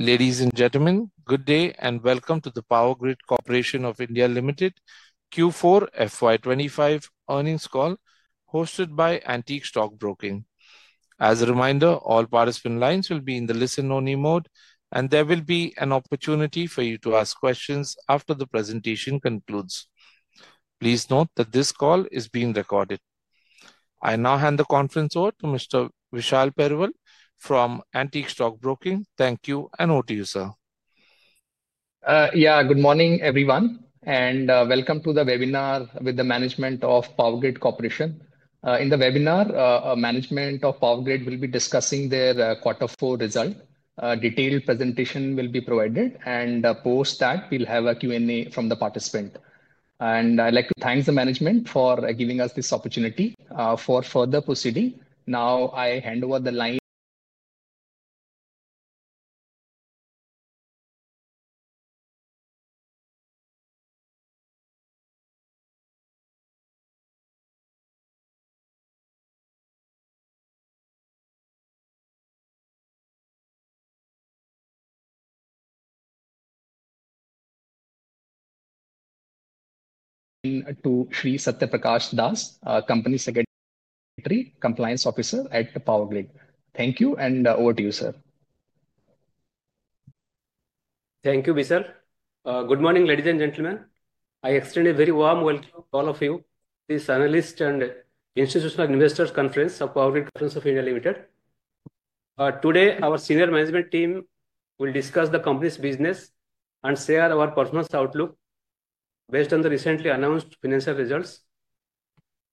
Ladies and gentlemen, good day and welcome to the Power Grid Corporation of India Limited Q4 FY25 Earnings Call hosted by Antique Stock Broking. As a reminder, all participant lines will be in the listen-only mode, and there will be an opportunity for you to ask questions after the presentation concludes. Please note that this call is being recorded. I now hand the conference over to Mr. Vishal Periwal from Antique Stock Broking. Thank you, and over to you, sir. Yeah, good morning, everyone, and welcome to the webinar with the management of Power Grid Corporation. In the webinar, management of Power Grid will be discussing their quarter four result. Detailed presentation will be provided, and post that, we'll have a Q&A from the participant. I would like to thank the management for giving us this opportunity for further proceeding. Now, I hand over the line to Shri Satyaprakash Dash, Company Secretary, Compliance Officer at Power Grid. Thank you, and over to you, sir. Thank you, Vishal. Good morning, ladies and gentlemen. I extend a very warm welcome to all of you to this analyst and institutional investors conference of Power Grid Corporation of India Limited. Today, our senior management team will discuss the company's business and share our personal outlook based on the recently announced financial results.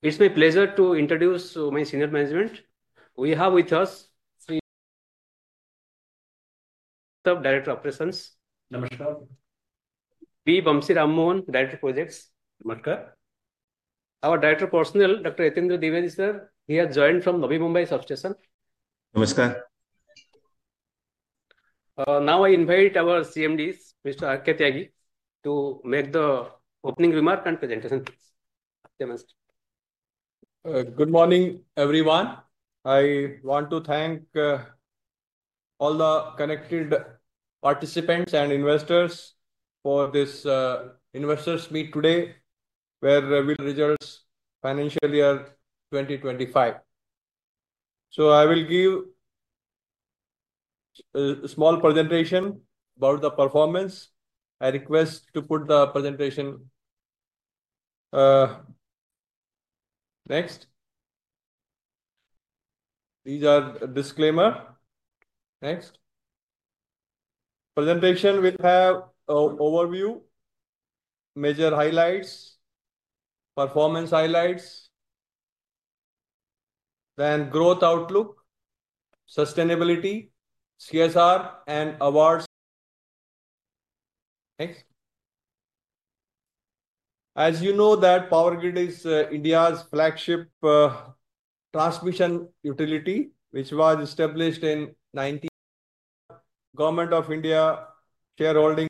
It's my pleasure to introduce my senior management. We have with us Naveen Srivastava, Director of Operations. नमस्कार. B. Vamsi Ramamohan, Director of Projects. नमस्कार. Our Director of Personnel, Dr. Yetindra Dwivedi Sir, he has joined from Navi Mumbai Substation. नमस्कार. Now, I invite our CMD, Mr. R. K. Tyagi, to make the opening remark and presentation, please. Good morning, everyone. I want to thank all the connected participants and investors for this investors meet today where we will discuss financial year 2025. I will give a small presentation about the performance. I request to put the presentation next. These are disclaimers. Next, presentation will have overview, major highlights, performance highlights, then growth outlook, sustainability, CSR, and awards. Next, as you know, Power Grid is India's flagship transmission utility, which was established in the Government of India shareholding.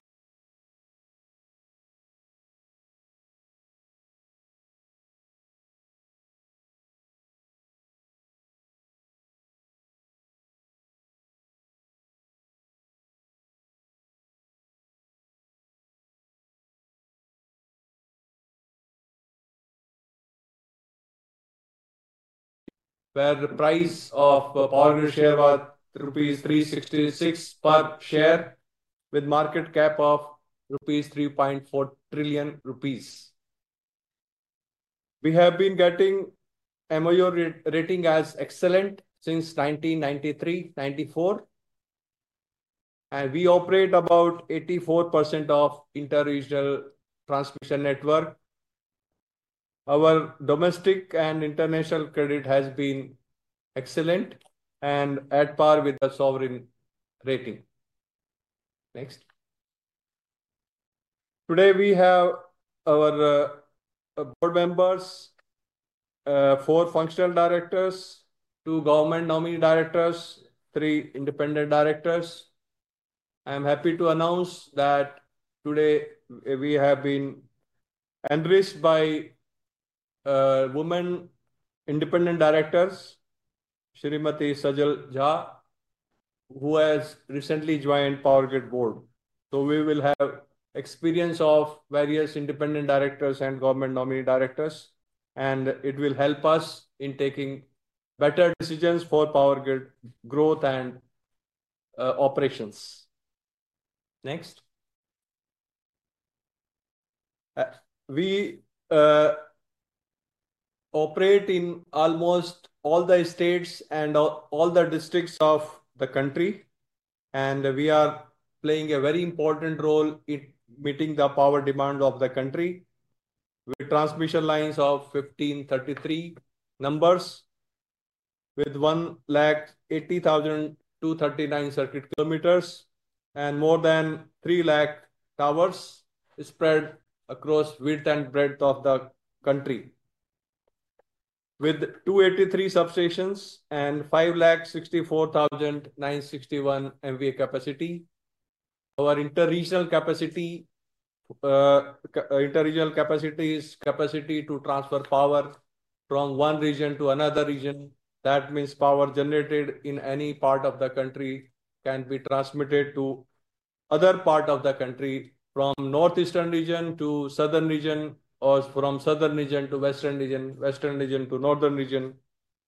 Where the price of Power Grid share was rupees 366 per share with market cap of 3.4 trillion rupees. We have been getting MOU rating as excellent since 1993-1994, and we operate about 84% of interregional transmission network. Our domestic and international credit has been excellent and at par with the sovereign rating. Next, today we have our board members, four functional directors, two government nominee directors, and three independent directors. I am happy to announce that today we have been enriched by women independent directors, Srimati Sajal Jha, who has recently joined Power Grid board. So we will have experience of various independent directors and government nominee directors, and it will help us in taking better decisions for Power Grid growth and operations. Next, we operate in almost all the states and all the districts of the country, and we are playing a very important role in meeting the power demands of the country with transmission lines of 1,533 numbers with 180,239 lakh circuit kilometers and more than 3 lakh towers spread across width and breadth of the country. With 283 substations and 564,961 lakh MVA capacity, our interregional capacity is capacity to transfer power from one region to another region. That means power generated in any part of the country can be transmitted to other parts of the country from the northeastern region to the southern region, or from the southern region to the western region, western region to the northern region,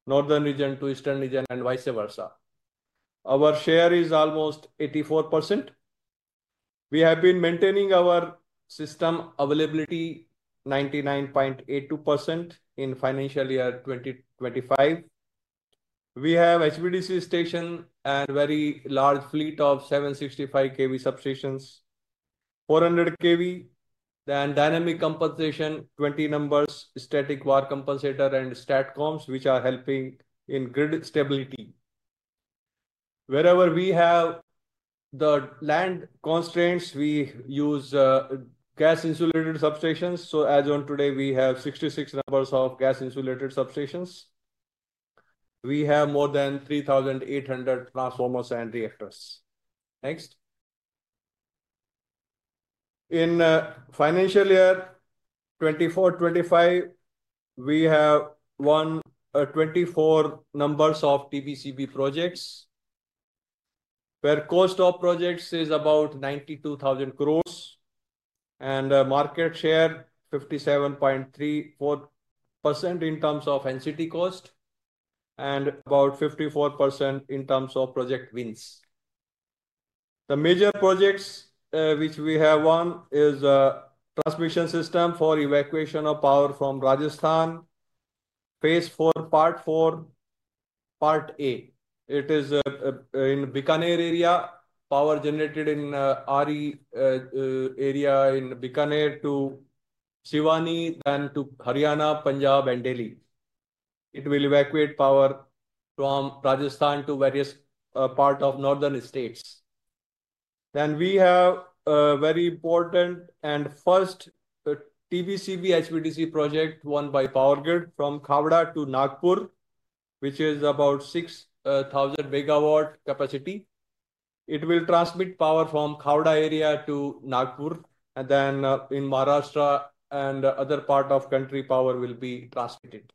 northern region to the eastern region, and vice versa. Our share is almost 84%. We have been maintaining our system availability at 99.82% in financial year 2025. We have HVDC stations and a very large fleet of 765 kV substations, 400 kV, and dynamic compensation 20 numbers, Static Var Compensator, and STATCOMS, which are helping in grid stability. Wherever we have the land constraints, we use Gas-insulated Substations. As of today, we have 66 numbers of Gas-insulated Substations. We have more than 3,800 transformers and reactors. Next, in financial year 2024-2025, we have 24 numbers of TBCB projects where the cost of projects is about 92,000 crore and the market share is 57.34% in terms of NCT cost and about 54% in terms of project wins. The major projects which we have won are the transmission system for evacuation of power from Rajasthan, phase four, part four, part A. It is in the Bikaner area, power generated in the RE area in Bikaner to Shivani, then to Haryana, Punjab, and Delhi. It will evacuate power from Rajasthan to various parts of northern states. We have a very important and first TBCB HVDC project won by Power Grid from Khavda to Nagpur, which is about 6,000 MW capacity. It will transmit power from Khavda area to Nagpur, and then in Maharashtra and other parts of the country, power will be transmitted.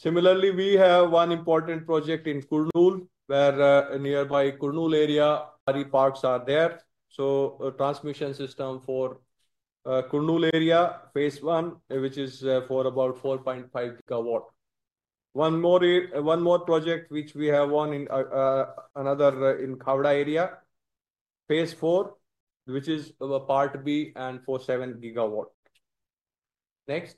Similarly, we have one important project in Kurnool, where nearby Kurnool area, RE parks are there. The transmission system for Kurnool area, phase one, which is for about 4.5 GW. One more project which we have won in another in Khavda area, phase four, which is part B and 47 GW. Next,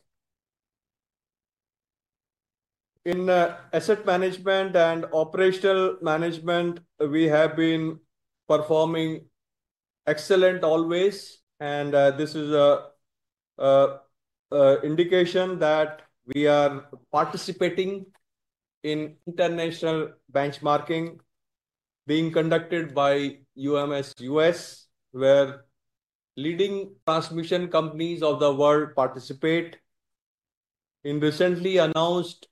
in asset management and operational management, we have been performing excellent always, and this is an indication that we are participating in international benchmarking being conducted by UMS U.S., where leading transmission companies of the world participate. In recently announced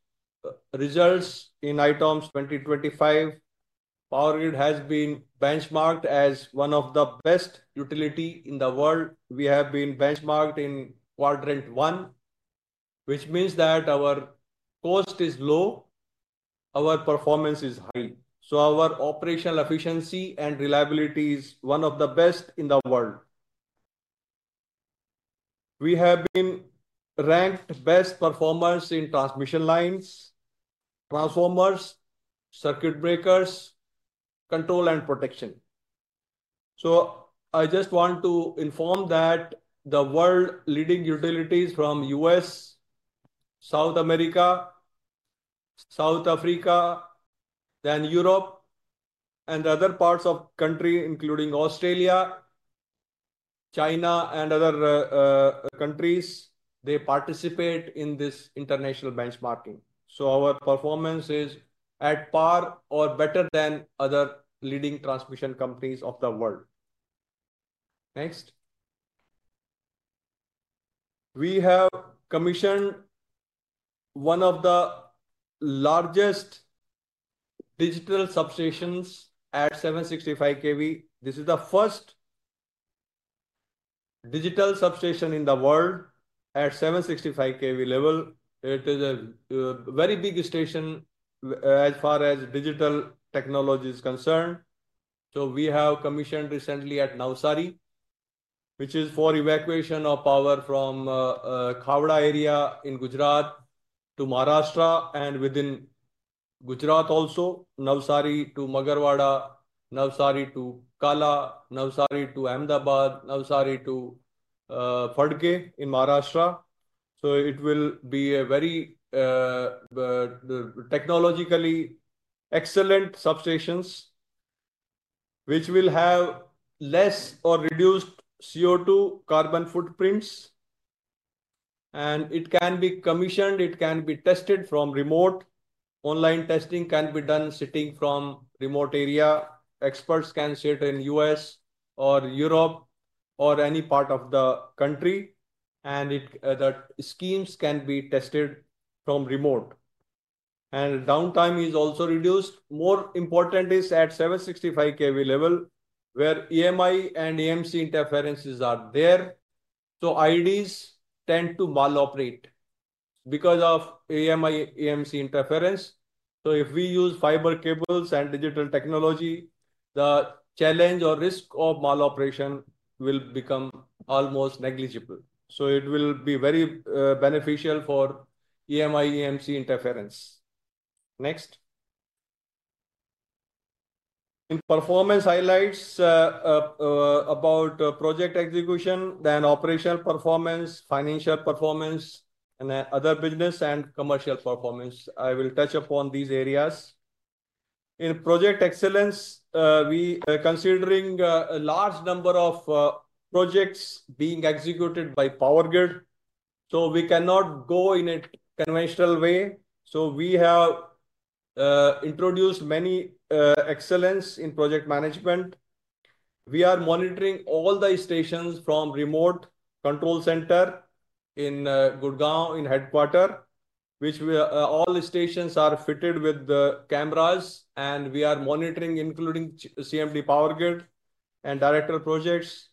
results in ITOMS 2025, Power Grid has been benchmarked as one of the best utilities in the world. We have been benchmarked in quadrant one, which means that our cost is low, our performance is high. Our operational efficiency and reliability is one of the best in the world. We have been ranked best performers in transmission lines, transformers, circuit breakers, control, and protection. I just want to inform that the world leading utilities from the U.S., South America, South Africa, Europe, and other parts of the country, including Australia, China, and other countries, participate in this international benchmarking. Our performance is at par or better than other leading transmission companies of the world. Next, we have commissioned one of the largest digital substations at 765 kV. This is the first digital substation in the world at 765 kV level. It is a very big station as far as digital technology is concerned. We have commissioned recently at Navsari, which is for evacuation of power from Khavda area in Gujarat to Maharashtra and within Gujarat also, Navsari to Magarwada, Navsari to Kala, Navsari to Ahmedabad, Navsari to Phadke in Maharashtra. It will be a very technologically excellent substation, which will have less or reduced CO2 carbon footprints. It can be commissioned. It can be tested from remote. Online testing can be done sitting from a remote area. Experts can sit in the U.S. or Europe or any part of the country, and the schemes can be tested from remote. Downtime is also reduced. More important is at 765 kV level, where EMI and EMC interferences are there. IDs tend to maloperate because of EMI, EMC interference. If we use fiber cables and digital technology, the challenge or risk of maloperation will become almost negligible. It will be very beneficial for EMI, EMC interference. Next, in performance highlights about project execution, then operational performance, financial performance, and other business and commercial performance. I will touch upon these areas. In project excellence, we are considering a large number of projects being executed by Power Grid. We cannot go in a conventional way. We have introduced many excellences in project management. We are monitoring all the stations from the remote control center in Gurgaon in headquarters, which all stations are fitted with the cameras, and we are monitoring, including CMD Power Grid and Director Projects.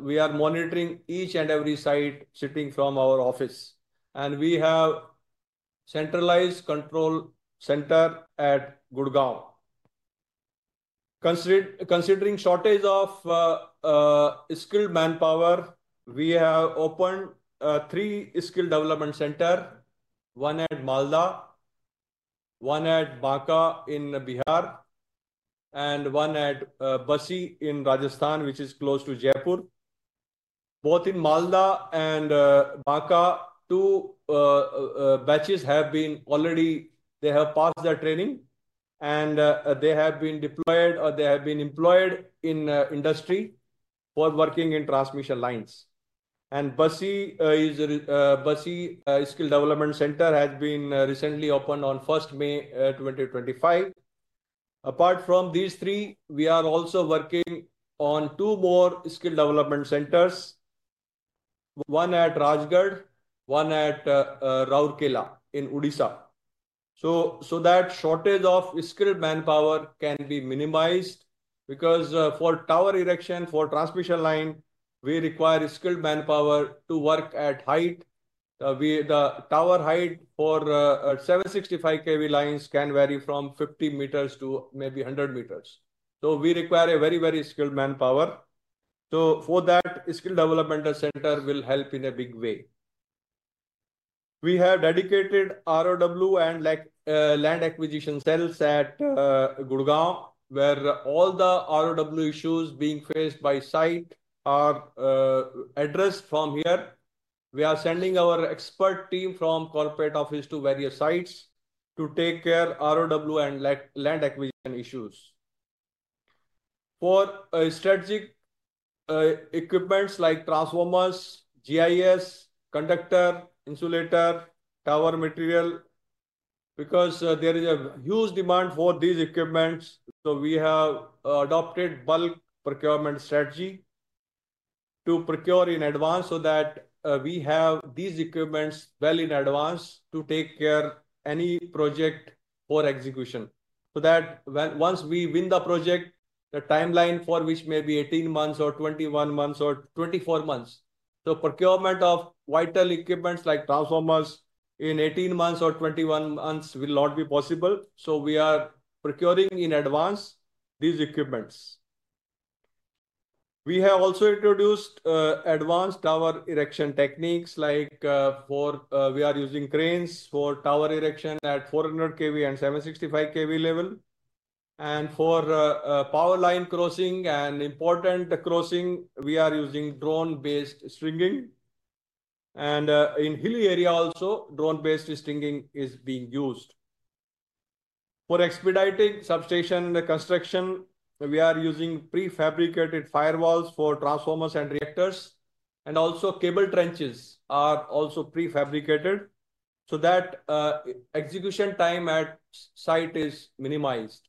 We are monitoring each and every site sitting from our office, and we have a centralized control center at Gurgaon. Considering the shortage of skilled manpower, we have opened three skilled development centers: one at Malda, one at Banka in Bihar, and one at Basi in Rajasthan, which is close to Jaipur. Both in Malda and Banka, two batches have already passed their training, and they have been deployed or they have been employed in industry for working in transmission lines. Basi Skill Development Center has been recently opened on 1 May 2025. Apart from these three, we are also working on two more skill development centers: one at Rajgad, one at Rourkela in Odisha. That way, the shortage of skilled manpower can be minimized because for tower erection for transmission lines, we require skilled manpower to work at height. The tower height for 765 kV lines can vary from 50 meters to maybe 100 meters. We require a very, very skilled manpower. For that, the skill development center will help in a big way. We have dedicated ROW and land acquisition cells at Gurgaon, where all the ROW issues being faced by the site are addressed from here. We are sending our expert team from the corporate office to various sites to take care of ROW and land acquisition issues for strategic equipment like transformers, GIS, conductor, insulator, tower material, because there is a huge demand for these equipments. We have adopted a bulk procurement strategy to procure in advance so that we have these equipments well in advance to take care of any project for execution. Once we win the project, the timeline for which may be 18 months or 21 months or 24 months, the procurement of vital equipment like transformers in 18 months or 21 months will not be possible. We are procuring in advance these equipments. We have also introduced advanced tower erection techniques like we are using cranes for tower erection at 400 kV and 765 kV level. For power line crossing and important crossing, we are using drone-based stringing. In the hilly area, also, drone-based stringing is being used. For expediting substation construction, we are using prefabricated firewalls for transformers and reactors, and also cable trenches are prefabricated so that execution time at site is minimized.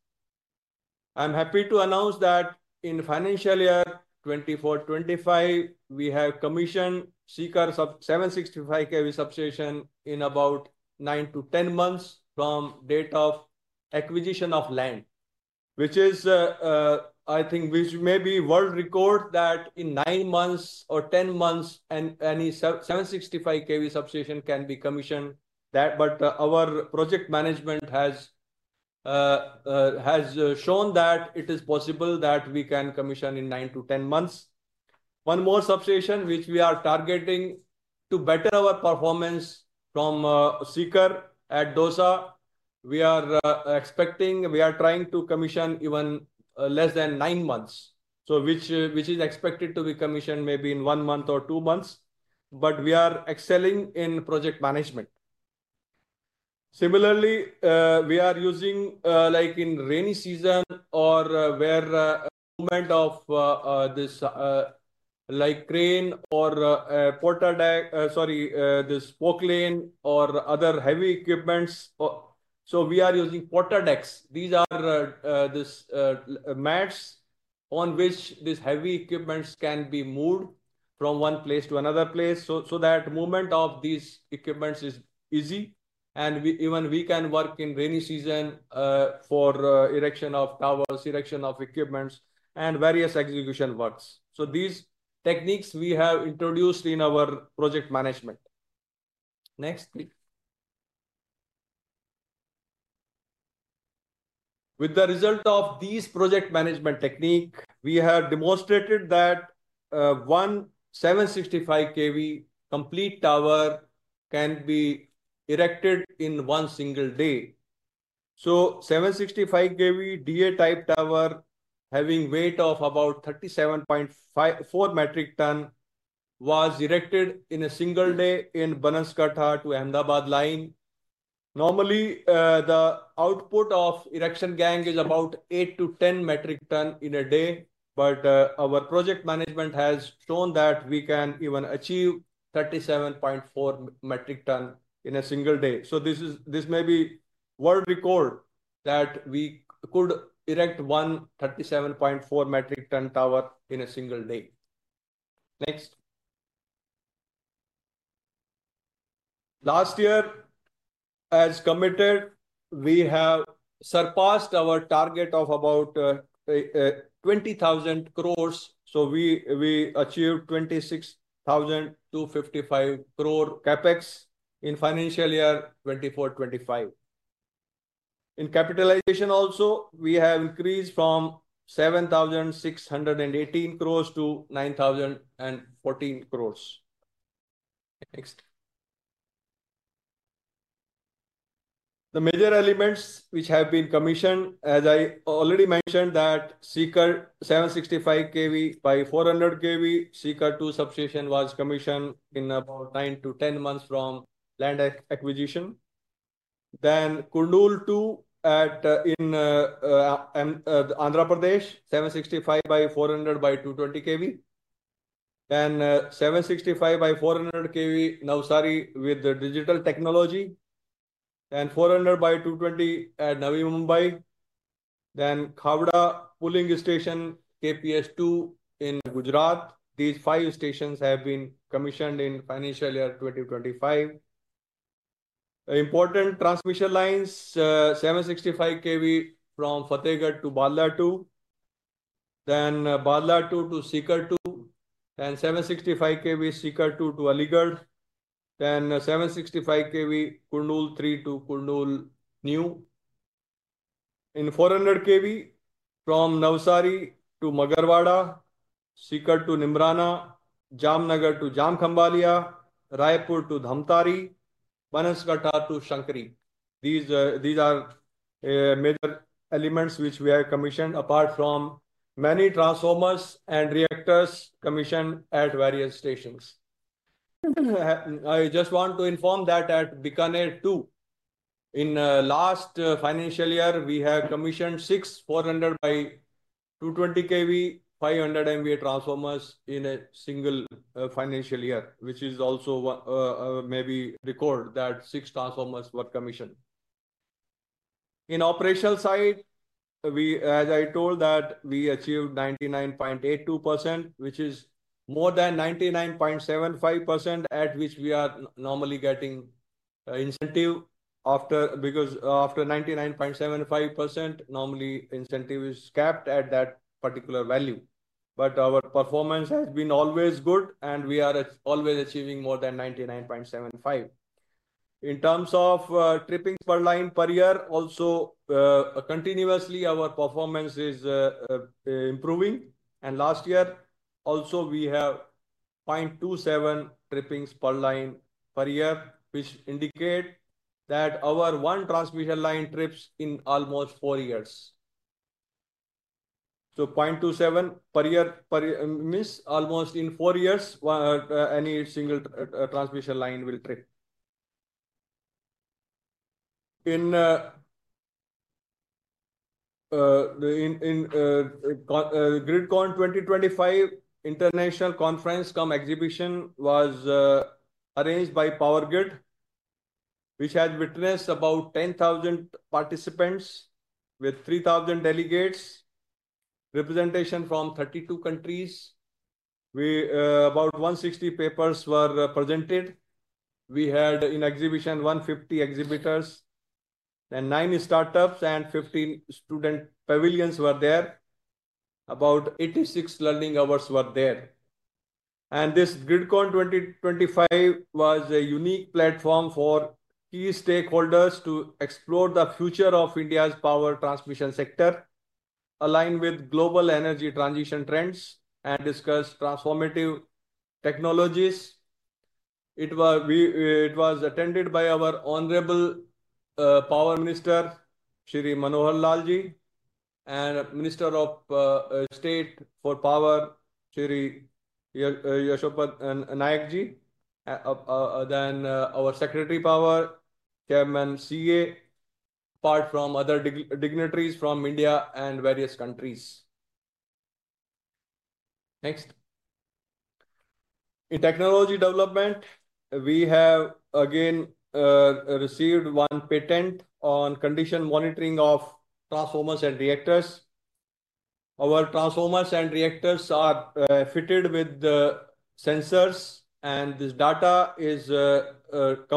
I'm happy to announce that in financial year 2024-2025, we have commissioned sections of 765 kV substations in about 9-10 months from the date of acquisition of land, which is, I think, which may be a world record that in 9 months or 10 months, any 765 kV substation can be commissioned. Our project management has shown that it is possible that we can commission in 9-10 months. One more substation which we are targeting to better our performance from a Sikar at DOSA, we are expecting, we are trying to commission even less than nine months. Which is expected to be commissioned maybe in one month or two months. We are excelling in project management. Similarly, we are using, like in rainy season or where the movement of this, like crane or porter deck, sorry, this forklift or other heavy equipment. We are using Porter Decks. These are these mats on which these heavy equipment can be moved from one place to another place so that the movement of these equipment is easy. Even we can work in rainy season for erection of towers, erection of equipment, and various execution works. These techniques we have introduced in our project management. Next, please. With the result of these project management techniques, we have demonstrated that one 765 kV complete tower can be erected in one single day. A 765 kV DA type tower having a weight of about 37.4 metric tons was erected in a single day in Banas Kathar to Ahmedabad line. Normally, the output of the erection gang is about 8-10 metric tons in a day. Our project management has shown that we can even achieve 37.4 metric tons in a single day. This may be a world record that we could erect one 37.4 metric ton tower in a single day. Next. Last year, as committed, we have surpassed our target of about 20,000 crore. We achieved 26,255 crore CapEx in financial year 2024-2025. In capitalization, also, we have increased from 7,618 crore to 9,014 crore. Next. The major elements which have been commissioned, as I already mentioned, that Sikar 765 kV by 400 kV Sikar 2 substation was commissioned in about 9 to 10 months from land acquisition. Then Kurnool 2 in Andhra Pradesh, 765 by 400 by 220 kV. Then 765 by 400 kV Navsari with digital technology. Then 400 by 220 at Navi Mumbai. Then Khavda pulling station KPS 2 in Gujarat. These five stations have been commissioned in financial year 2025. Important transmission lines, 765 kV from Phadke to Bhadla 2. Then Bhadla 2 to Sikar 2. Then 765 kV Sikar 2 to Aligarh. Then 765 kV Kurnool 3 to Kurnool New. In 400 kV from Navsari to Magarwada, Sikar to Neemrana, Jamnagar to Jam Khambhalia, Raipur to Dhamtari, Banas Kathar to Shankari. These are major elements which we have commissioned apart from many transformers and reactors commissioned at various stations. I just want to inform that at Bikaner 2, in the last financial year, we have commissioned six 400 by 220 kV, 500 MVA transformers in a single financial year, which is also maybe a record that six transformers were commissioned. In the operational side, as I told, we achieved 99.82%, which is more than 99.75% at which we are normally getting incentive after, because after 99.75%, normally incentive is capped at that particular value. Our performance has been always good, and we are always achieving more than 99.75%. In terms of trippings per line per year, also continuously our performance is improving. Last year, also we have 0.27 trippings per line per year, which indicates that our one transmission line trips in almost four years. 0.27 per year means almost in four years, any single transmission line will trip. In GRIDCON 2025 International Conference, an exhibition was arranged by Power Grid, which had witnessed about 10,000 participants with 3,000 delegates, representation from 32 countries. About 160 papers were presented. We had, in exhibition, 150 exhibitors, 9 startups, and 15 student pavilions were there. About 86 learning hours were there. This GRIDCON 2025 was a unique platform for key stakeholders to explore the future of India's power transmission sector, align with global energy transition trends, and discuss transformative technologies. It was attended by our Honorable Power Minister, Sri Manohar Lal, and Minister of State for Power, Sri Shripad Yesso Naik. Our Secretary Power, Chairman CA, apart from other dignitaries from India and various countries, also attended. In technology development, we have again received one patent on condition monitoring of transformers and reactors. Our transformers and reactors are fitted with sensors, and this data is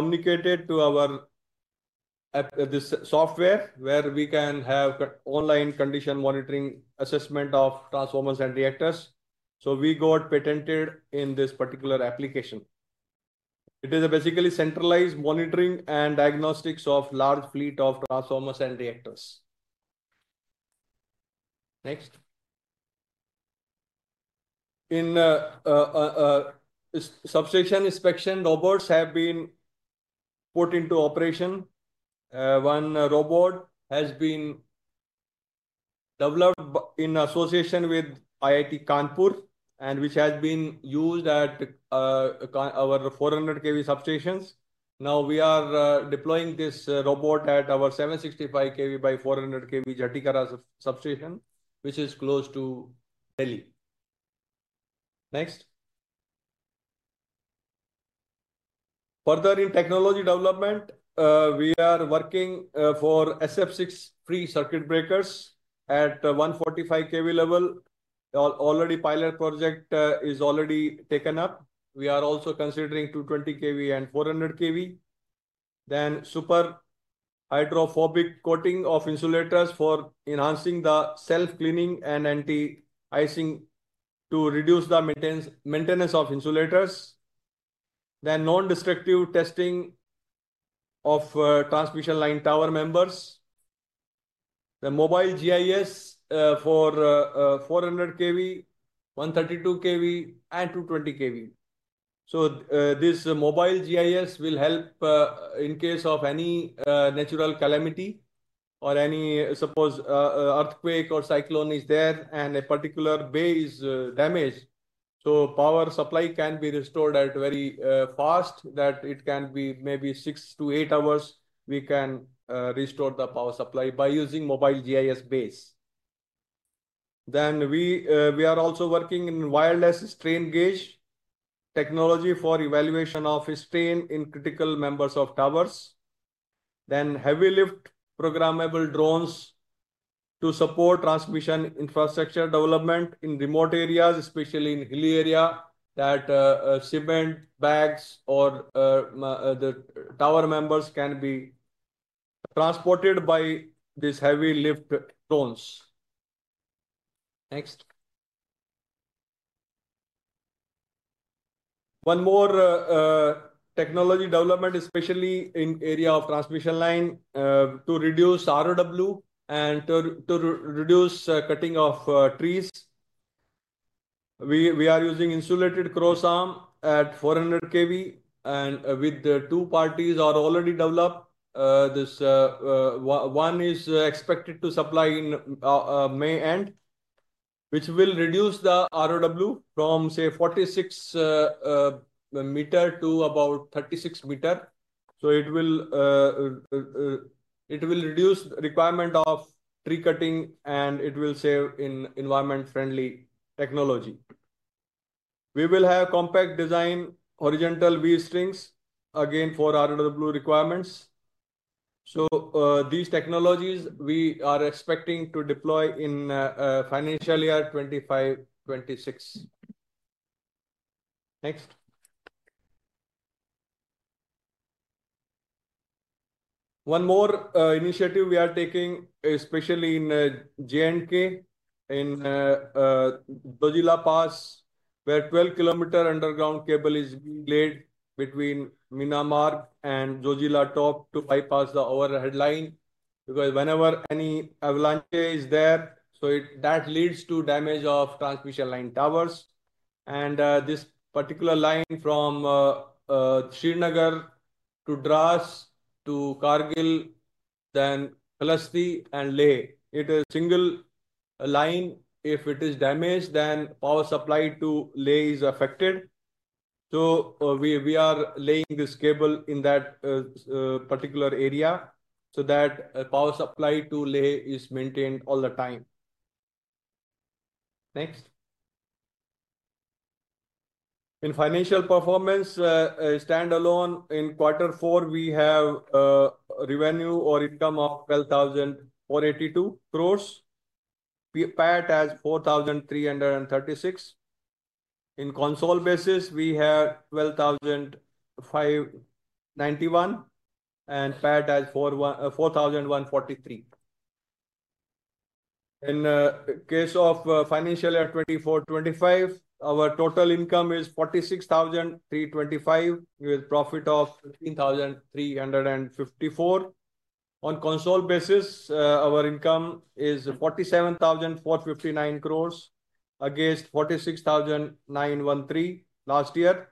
communicated to our software, where we can have online condition monitoring assessment of transformers and reactors. We got patented in this particular application. It is basically centralized monitoring and diagnostics of a large fleet of transformers and reactors. Next. In substation inspection, robots have been put into operation. One robot has been developed in association with IIT Kanpur, and which has been used at our 400 kV substations. Now we are deploying this robot at our 765 kV by 400 kV Jhatikara substation, which is close to Delhi. Next. Further, in technology development, we are working for SF6-free circuit breakers at 145 kV level. Already, the pilot project is already taken up. We are also considering 220 kV and 400 kV. Super hydrophobic coating of insulators for enhancing the self-cleaning and anti-icing to reduce the maintenance of insulators. Non-destructive testing of transmission line tower members. The Mobile GIS for 400 kV, 132 kV, and 220 kV. This Nobile GIS will help in case of any natural calamity or any, suppose, earthquake or cyclone is there and a particular bay is damaged. Power supply can be restored very fast, that it can be maybe 6-8 hours, we can restore the power supply by using Mobile GIS bays. We are also working in wireless strain gauge technology for evaluation of strain in critical members of towers. Heavy lift programmable drones to support transmission infrastructure development in remote areas, especially in the hilly area, that cement bags or the tower members can be transported by these heavy lift drones. Next. One more technology development, especially in the area of transmission line, to reduce ROW and to reduce cutting of trees. We are using insulated cross arm at 400 kV, and with two parties are already developed. This one is expected to supply in May and which will reduce the ROW from, say, 46 meters to about 36 meters. It will reduce the requirement of tree cutting, and it will save in environment-friendly technology. We will have compact design horizontal V-strings again for ROW requirements. These technologies we are expecting to deploy in financial year 2025-2026. Next. One more initiative we are taking, especially in J&K in Zojila Pass, where a 12-kilometer underground cable is being laid between Meena Marg and Zojila Top to bypass the overhead line. Because whenever any avalanche is there, that leads to damage of transmission line towers. This particular line from Srinagar to Drass to Kargil, then Kalahasti and Leh, it is a single line. If it is damaged, then power supply to Leh is affected. We are laying this cable in that particular area so that power supply to Leh is maintained all the time. Next. In financial performance, standalone in Q4, we have revenue or income of 12,482 crore, PAT as 4,336 crore. In console basis, we have 12,591 crore and PAT as 4,143 crore. In case of financial year 2024-2025, our total income is 46,325 crore with a profit of 15,354 crore. On console basis, our income is 47,459 crore against 46,913 crore last year.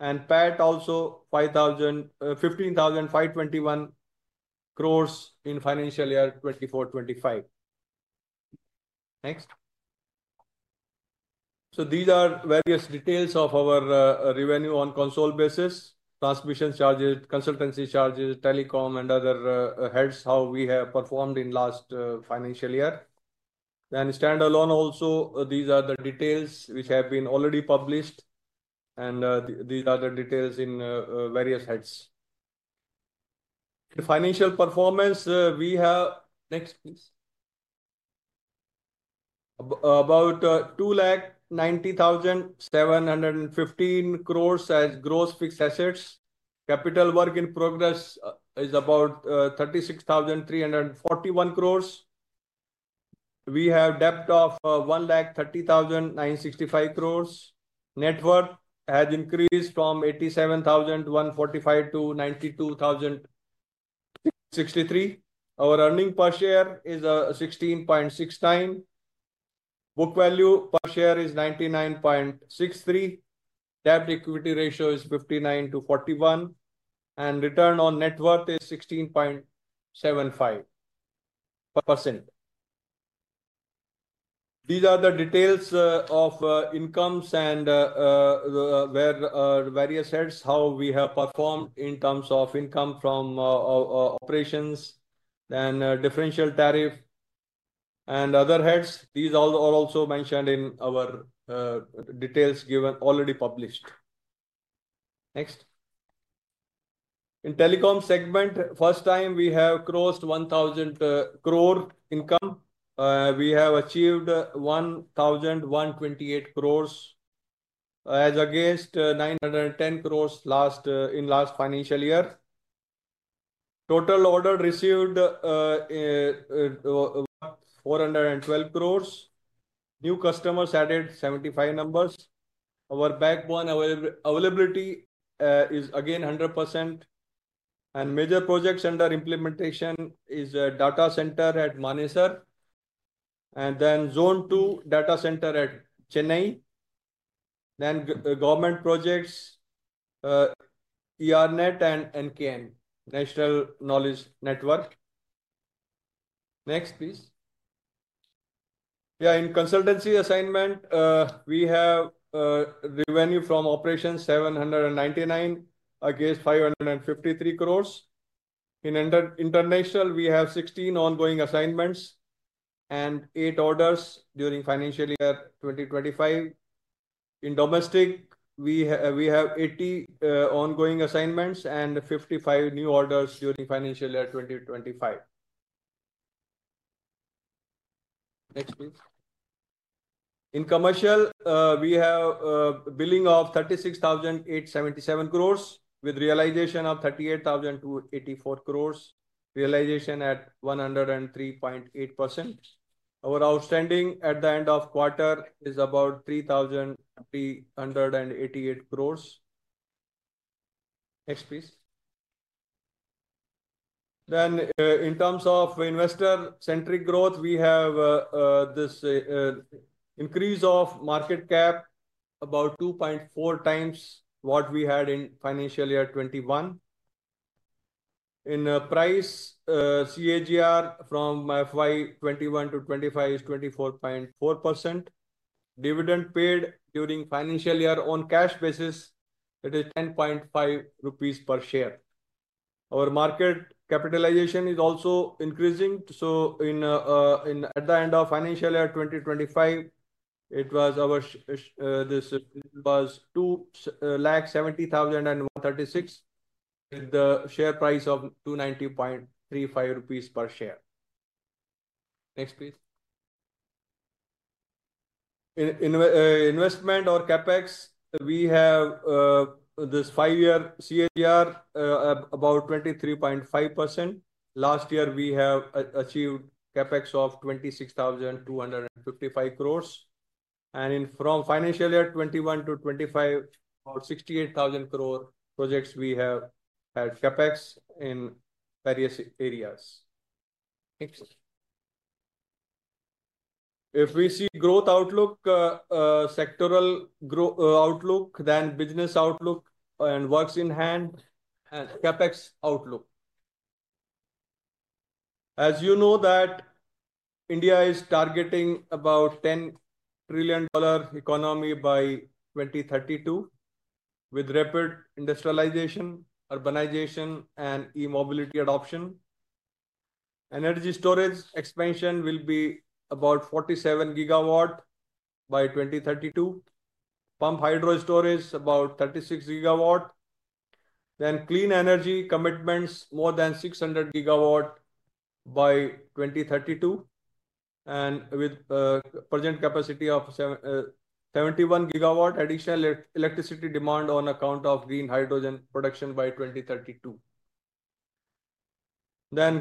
PAT also 15,521 crore in financial year 2024-2025. Next. These are various details of our revenue on console basis, transmission charges, consultancy charges, telecom, and other heads, how we have performed in the last financial year. Standalone, also these are the details which have been already published. These are the details in various heads. In financial performance, we have next, please. About INR 2 lakh 90,715 crore as gross fixed assets. Capital work in progress is about 36,341 crore. We have a debt of 130,965 lakh crore. Net worth has increased from 87,145 crore to 92,633 crore. Our earning per share is 16.69. Book value per share is 99.63. Debt equity ratio is 59-41. Return on net worth is 16.75%. These are the details of incomes and various heads, how we have performed in terms of income from operations, then differential tariff, and other heads. These are also mentioned in our details given already published. Next. In telecom segment, first time we have crossed 1,000 crore income. We have achieved 1,128 crore as against 910 crore in the last financial year. Total order received 412 crore. New customers added 75 numbers. Our backbone availability is again 100%. Major projects under implementation are data center at Manesar, and then zone two data center at Chennai. Government projects, ERNET and NKN, National Knowledge Network. Next, please. In consultancy assignment, we have revenue from operations 799 crore against 553 crore. In international, we have 16 ongoing assignments and 8 orders during financial year 2025. In domestic, we have 80 ongoing assignments and 55 new orders during financial year 2025. Next, please. In commercial, we have a billing of 36,877 crore with realization of 38,284 crore, realization at 103.8%. Our outstanding at the end of quarter is about 3,388 crore. Next, please. In terms of investor-centric growth, we have this increase of market cap about 2.4 times what we had in financial year 2021. In price, CAGR from FY 2021 to 2025 is 24.4%. Dividend paid during financial year on cash basis, it is 10.5 rupees per share. Our market capitalization is also increasing. In at the end of financial year 2025, it was our this was 2 lakh 70,136 million with the share price of 290.35 rupees per share. Next, please. In investment or CapEx, we have this five-year CAGR about 23.5%. Last year, we have achieved CapEx of 26,255 crore. From financial year 2021 to 2025, about 68,000 crore projects we have had CapEx in various areas. Next. If we see growth outlook, sectoral outlook, then business outlook and works in hand and CapEx outlook. As you know, India is targeting about $10 trillion economy by 2032 with rapid industrialization, urbanization, and e-mobility adoption. Energy storage expansion will be about 47 GW by 2032. Pump hydro storage about 36 GW. Clean energy commitments more than 600 GW by 2032. With present capacity of 71 GW, additional electricity demand on account of green hydrogen production by 2032.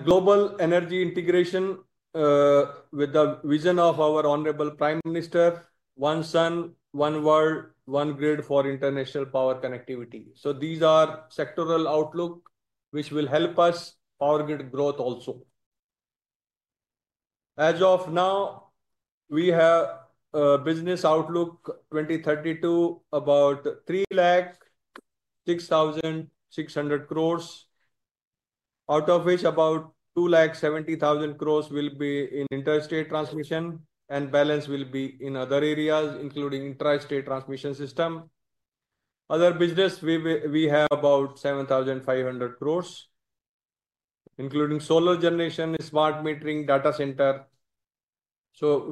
Global energy integration with the vision of our honorable Prime Minister, One Sun One World One Grid for international power connectivity. These are sectoral outlooks which will help us Power Grid growth also. As of now, we have a business outlook 2032 about 3 lakh 6,600 crore, out of which about 2 lakh 70,000 crore will be in interstate transmission and balance will be in other areas, including interstate transmission system. Other business we have about 7,500 crore, including solar generation, smart metering, data center.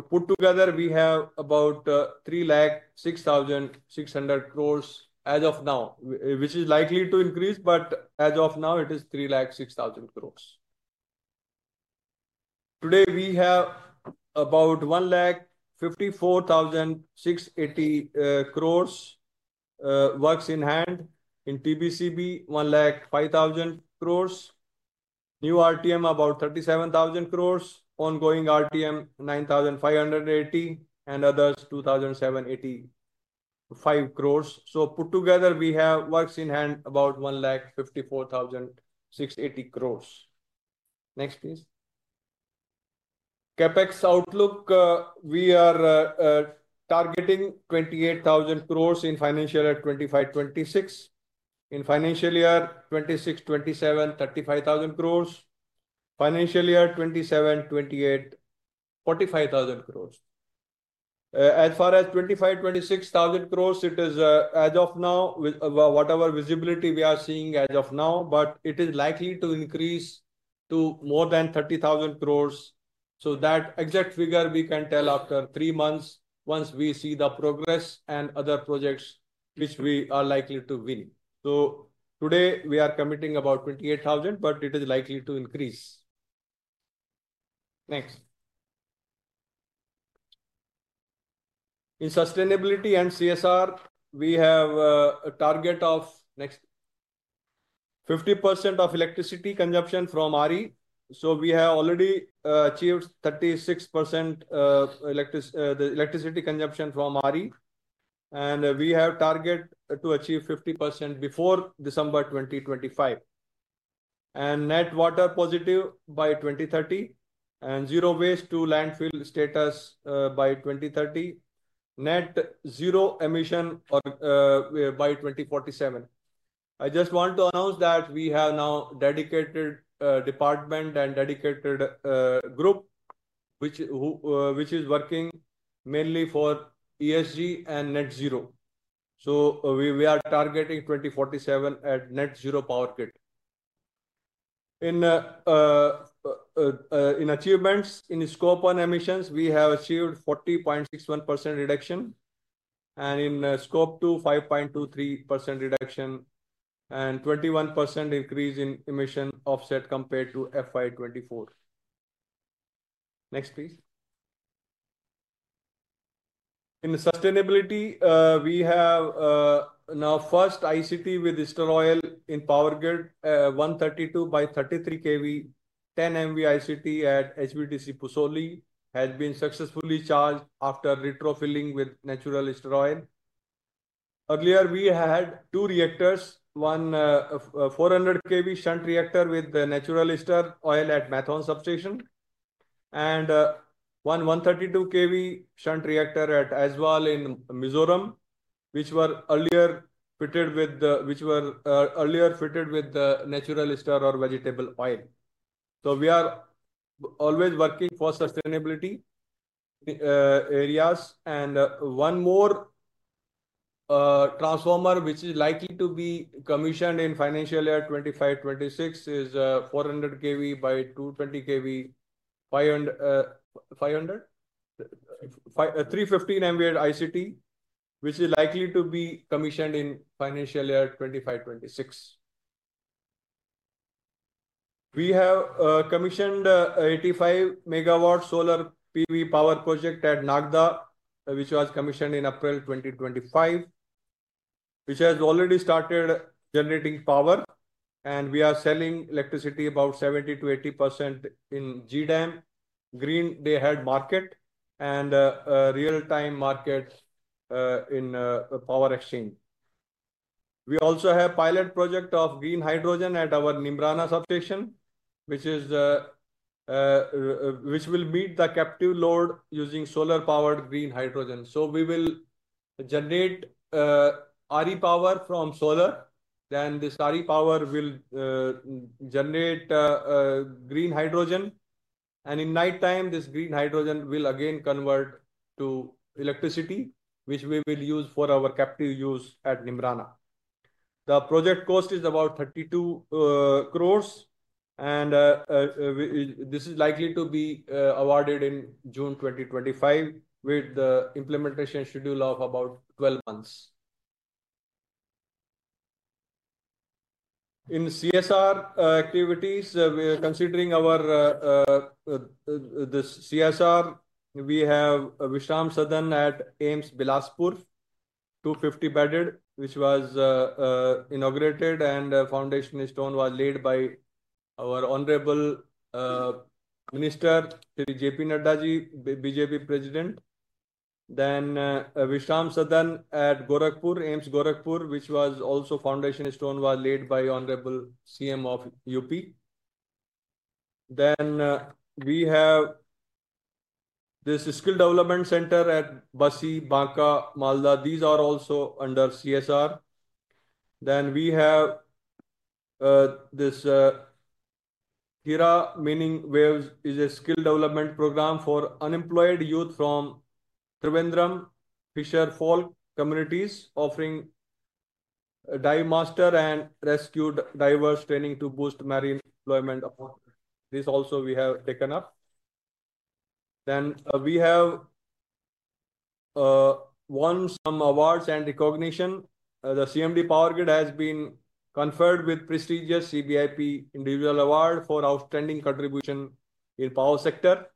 Put together, we have about 3,600 lakh crore as of now, which is likely to increase, but as of now, it is 3 lakh 6,000 crore. Today, we have about 1 lakh 54,680 crore works in hand in TBCB, 1 lakh 5,000 crore, new RTM about 37,000 crore, ongoing RTM 9,580, and others 2,785 crore. So put together, we have works in hand about 1 lakh 54,680 crore. Next, please. CapEx outlook, we are targeting 28,000 crore in financial year 2025-2026. In financial year 2026-2027, 35,000 crore. Financial year 2027-2028, 45,000 crore. As far as 25,000-26,000 crore, it is as of now, whatever visibility we are seeing as of now, but it is likely to increase to more than 30,000 crore. That exact figure we can tell after three months once we see the progress and other projects which we are likely to win. Today, we are committing about 28,000 crore, but it is likely to increase. Next. In sustainability and CSR, we have a target of next 50% of electricity consumption from RE. We have already achieved 36% electricity consumption from RE. We have target to achieve 50% before December 2025. Net water positive by 2030 and zero waste to landfill status by 2030, net zero emission by 2047. I just want to announce that we have now a dedicated department and dedicated group which is working mainly for ESG and net zero. We are targeting 2047 at net zero Power Grid. In achievements, in scope 1 emissions, we have achieved 40.61% reduction and in scope 2, 5.23% reduction and 21% increase in emission offset compared to FY 2024. Next, please. In sustainability, we have now first ICT with ester oil in Power Grid, 132 by 33 kV, 10 MV ICT at HBDC Pusoli has been successfully charged after retrofilling with natural ester oil. Earlier, we had two reactors, one 400 kV shunt reactor with the natural ester oil at Methone substation and one 132 kV shunt reactor at Aswal in Mizoram, which were earlier fitted with the natural ester or vegetable oil. We are always working for sustainability areas. One more transformer which is likely to be commissioned in financial year 2025-2026 is 400 kV by 220 kV, 500, 315 MV ICT, which is likely to be commissioned in financial year 2025-2026. We have commissioned 85 MW solar PV power project at Nagda, which was commissioned in April 2025, which has already started generating power. We are selling electricity about 70%-80% in G DAM, green day head market, and real-time markets in power exchange. We also have pilot project of green hydrogen at our Nimrana substation, which will meet the captive load using solar-powered green hydrogen. We will generate RE power from solar. Then this RE power will generate green hydrogen. In nighttime, this green hydrogen will again convert to electricity, which we will use for our captive use at Nimrana. The project cost is about 32 crore. This is likely to be awarded in June 2025 with the implementation schedule of about 12 months. In CSR activities, considering this CSR, we have Vishram Sadan at AIIMS Bilaspur, 250-bedded, which was inaugurated and foundation stone was laid by our honorable minister Sri JP Nadda, BJP president. Vishram Sadan at Gorakhpur, AIIMS Gorakhpur, which was also foundation stone was laid by honorable CM of UP. We have this skill development center at Basi, Banka, Malda; these are also under CSR. We have this Hira Mining Waves, a skill development program for unemployed youth from Thiruvananthapuram, Fisher Folk communities, offering dive master and rescue diver training to boost marine employment. This also we have taken up. We have won some awards and recognition. The CMD Power Grid has been conferred with the prestigious CBIP Individual Award for outstanding contribution in the power sector.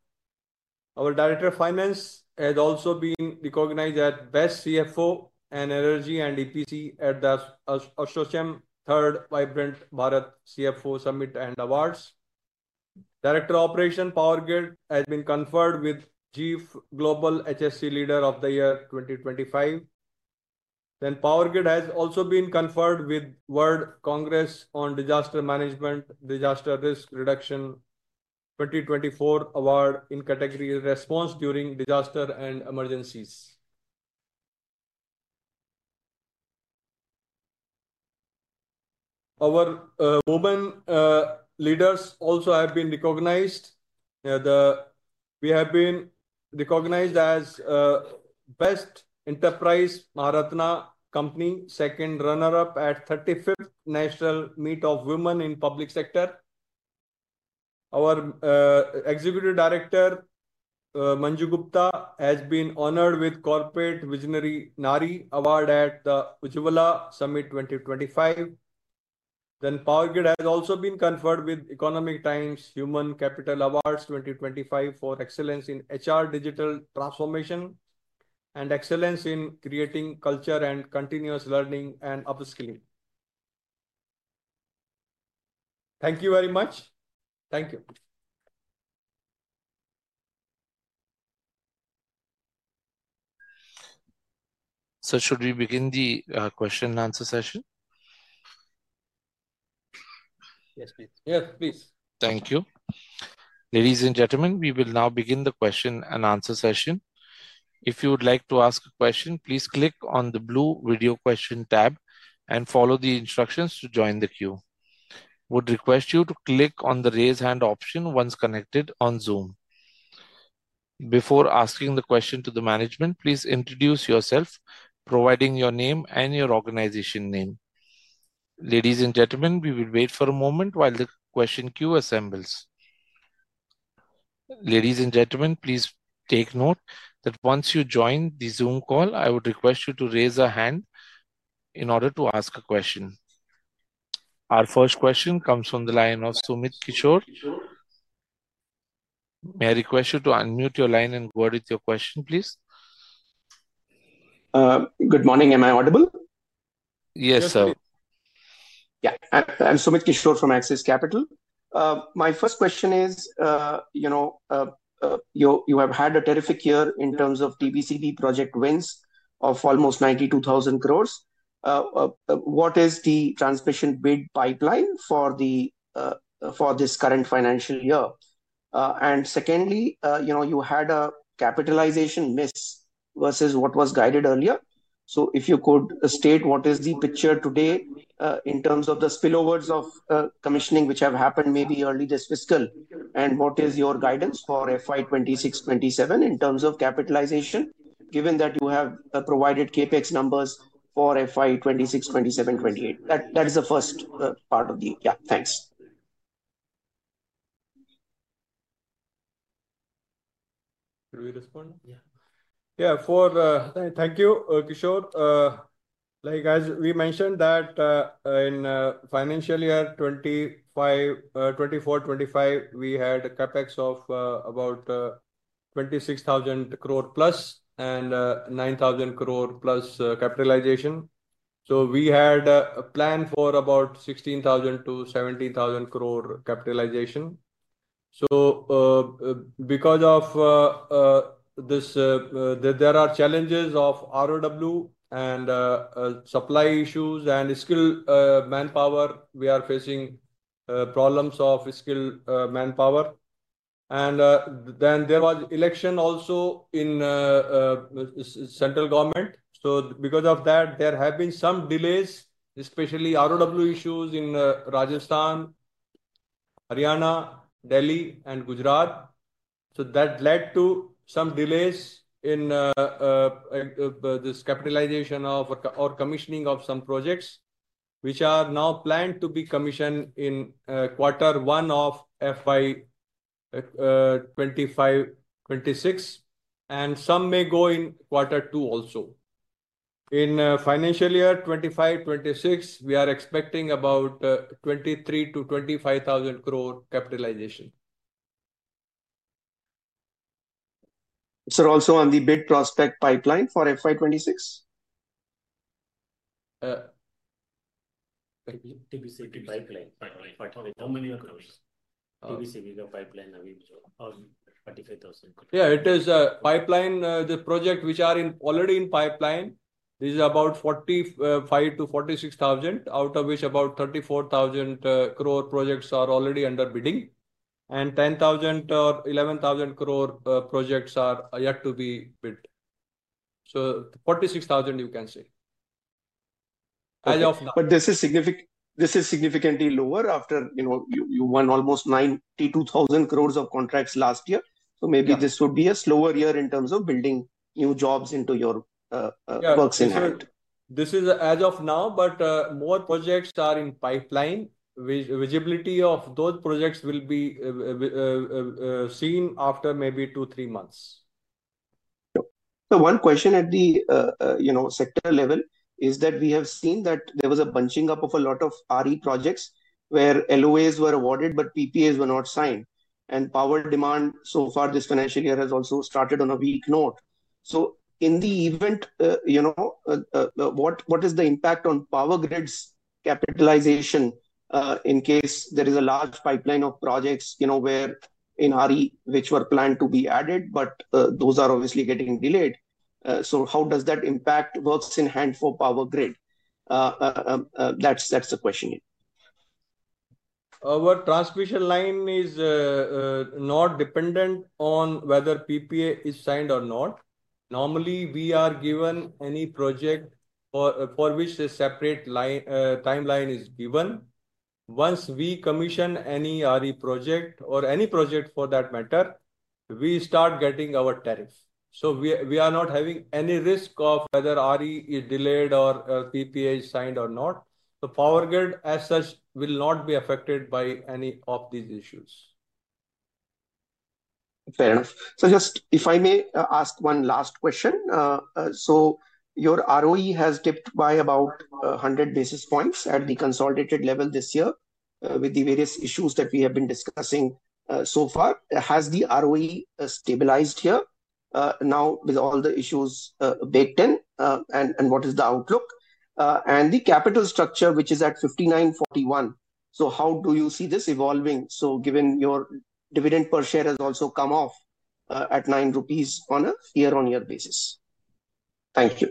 Our Director of Finance has also been recognized as Best CFO in Energy and EPC at the ASSOCHAM Third Vibrant Bharat CFO Summit and Awards. Director of Operations Power Grid has been conferred with Chief Global HSC Leader of the Year 2025. Power Grid has also been conferred with the World Congress on Disaster Management, Disaster Risk Reduction 2024 Award in the category Response During Disaster and Emergencies. Our women leaders also have been recognized. We have been recognized as Best Enterprise Maharatna Company, second runner-up at 35th National Meet of Women in Public Sector. Our Executive Director, Manju Gupta, has been honored with Corporate Visionary Nari Award at the Ujjivala Summit 2025. Power Grid has also been conferred with Economic Times Human Capital Awards 2025 for Excellence in HR Digital Transformation and Excellence in Creating Culture and Continuous Learning and Upskilling. Thank you very much. Thank you. Should we begin the question and answer session? Yes, please. Yes, please. Thank you. Ladies and gentlemen, we will now begin the question and answer session. If you would like to ask a question, please click on the blue video question tab and follow the instructions to join the queue. We would request you to click on the raise hand option once connected on Zoom. Before asking the question to the management, please introduce yourself, providing your name and your organization name. Ladies and gentlemen, we will wait for a moment while the question queue assembles. Ladies and gentlemen, please take note that once you join the Zoom call, I would request you to raise a hand in order to ask a question. Our first question comes from the line of Sumit Kishore. May I request you to unmute your line and go ahead with your question, please? Good morning. Am I audible? Yes, sir. Yeah. I'm Sumit Kishore from Axis Capital. My first question is, you know, you have had a terrific year in terms of TBCB project wins of almost 92,000 crore. What is the transmission bid pipeline for this current financial year? Secondly, you had a capitalization miss versus what was guided earlier. If you could state what is the picture today in terms of the spillovers of commissioning which have happened maybe early this fiscal? What is your guidance for FY 2026-2027 in terms of capitalization, given that you have provided CapEx numbers for FY 2026-2027-2028? That is the first part of the yeah. Thanks. Should we respond? Yeah. Yeah. Thank you, Kishor. Like as we mentioned that in financial year 2024-2025, we had a CapEx of about 26,000 crore plus and 9,000 crore plus capitalization. We had a plan for about 16,000-17,000 crore capitalization. Because of this, there are challenges of ROW and supply issues and skilled manpower. We are facing problems of skilled manpower. There was election also in central government. Because of that, there have been some delays, especially ROW issues in Rajasthan, Haryana, Delhi, and Gujarat. That led to some delays in this capitalization or commissioning of some projects, which are now planned to be commissioned in quarter one of FY 2025-2026, and some may go in quarter two also. In financial year 2025-2026, we are expecting about 23,000-25,000 crore capitalization. Sir, also on the bid prospect pipeline for FY 2026? TBCB pipeline. How many crores? TBCB pipeline available? Yeah, it is a pipeline. The projects which are already in pipeline, this is about 45,000-46,000, out of which about 34,000 crore projects are already under bidding, and 10,000 or 11,000 crore projects are yet to be bid. So 46,000, you can say. As of now. This is significantly lower after you won almost 92,000 crore of contracts last year. Maybe this would be a slower year in terms of building new jobs into your works in head. This is as of now, but more projects are in pipeline. Visibility of those projects will be seen after maybe two, three months. One question at the sector level is that we have seen that there was a bunching up of a lot of RE projects where LOAs were awarded, but PPAs were not signed. Power demand so far this financial year has also started on a weak note. In the event, what is the impact on Power Grid's capitalization in case there is a large pipeline of projects in RE which were planned to be added, but those are obviously getting delayed? How does that impact works in hand for Power Grid? That's the question. Our transmission line is not dependent on whether PPA is signed or not. Normally, we are given any project for which a separate timeline is given. Once we commission any RE project or any project for that matter, we start getting our tariffs. We are not having any risk of whether RE is delayed or PPA is signed or not. Power Grid as such will not be affected by any of these issues. Fair enough. Just if I may ask one last question. Your ROE has dipped by about 100 basis points at the consolidated level this year with the various issues that we have been discussing so far. Has the ROE stabilized here now with all the issues baked in? What is the outlook? The capital structure, which is at 5,941. How do you see this evolving? Given your dividend per share has also come off at 9 rupees on a year-on-year basis. Thank you.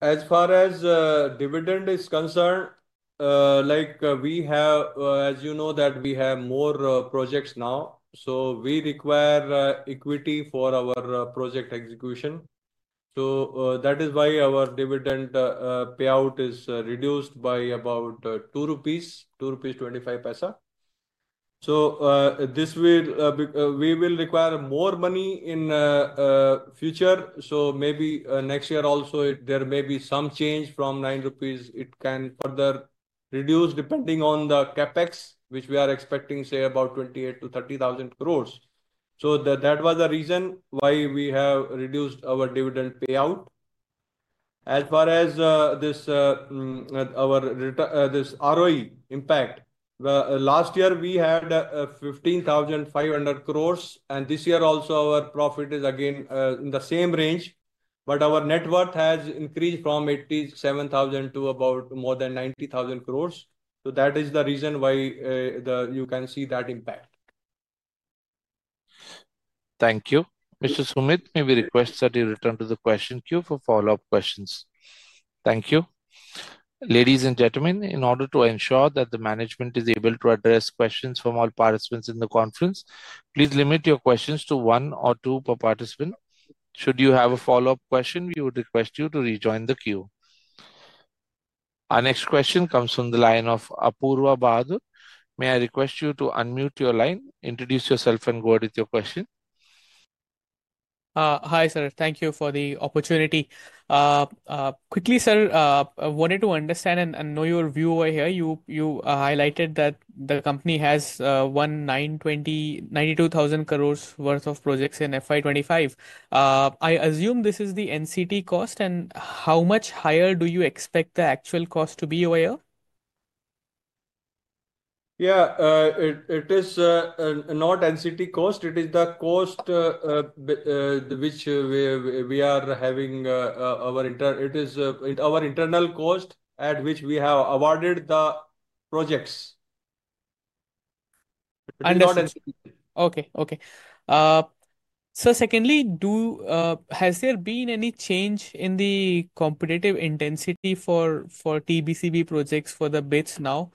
As far as dividend is concerned, like we have, as you know, that we have more projects now. We require equity for our project execution. That is why our dividend payout is reduced by about 2-2.25 rupees. This will require more money in the future. Maybe next year also, there may be some change from 9 rupees. It can further reduce depending on the CapEx, which we are expecting, say, about 28,000-30,000 crore. That was the reason why we have reduced our dividend payout. As far as our ROE impact, last year we had 15,500 crore. This year also, our profit is again in the same range. Our net worth has increased from 87,000 to about more than 90,000 crore. That is the reason why you can see that impact. Thank you. Mr. Sumit, may we request that you return to the question queue for follow-up questions? Thank you. Ladies and gentlemen, in order to ensure that the management is able to address questions from all participants in the conference, please limit your questions to one or two per participant. Should you have a follow-up question, we would request you to rejoin the queue. Our next question comes from the line of Apoorva Bahadur. May I request you to unmute your line, introduce yourself, and go ahead with your question? Hi, sir. Thank you for the opportunity. Quickly, sir, I wanted to understand and know your view over here. You highlighted that the company has won 92,000 crore worth of projects in FY 2025. I assume this is the NCT cost. And how much higher do you expect the actual cost to be over here? Yeah, it is not NCT cost. It is the cost which we are having, our internal, it is our internal cost at which we have awarded the projects. Okay. Okay. Secondly, has there been any change in the competitive intensity for TBCB projects for the bids now,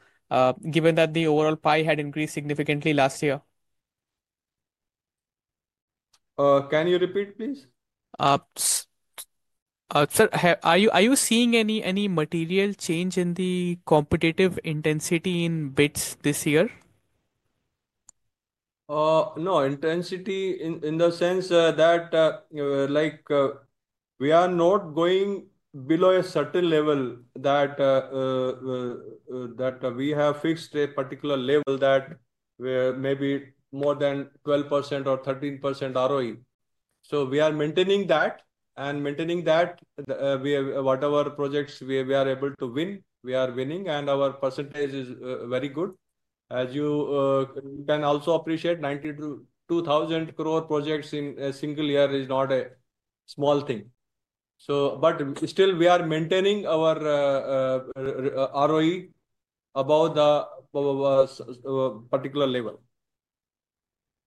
given that the overall pie had increased significantly last year? Can you repeat, please? Sir, are you seeing any material change in the competitive intensity in bids this year? No, intensity in the sense that we are not going below a certain level, that we have fixed a particular level that may be more than 12% or 13% ROE. We are maintaining that. Maintaining that, whatever projects we are able to win, we are winning. Our percentage is very good. As you can also appreciate, 92,000 crore projects in a single year is not a small thing. Still, we are maintaining our ROE above the particular level.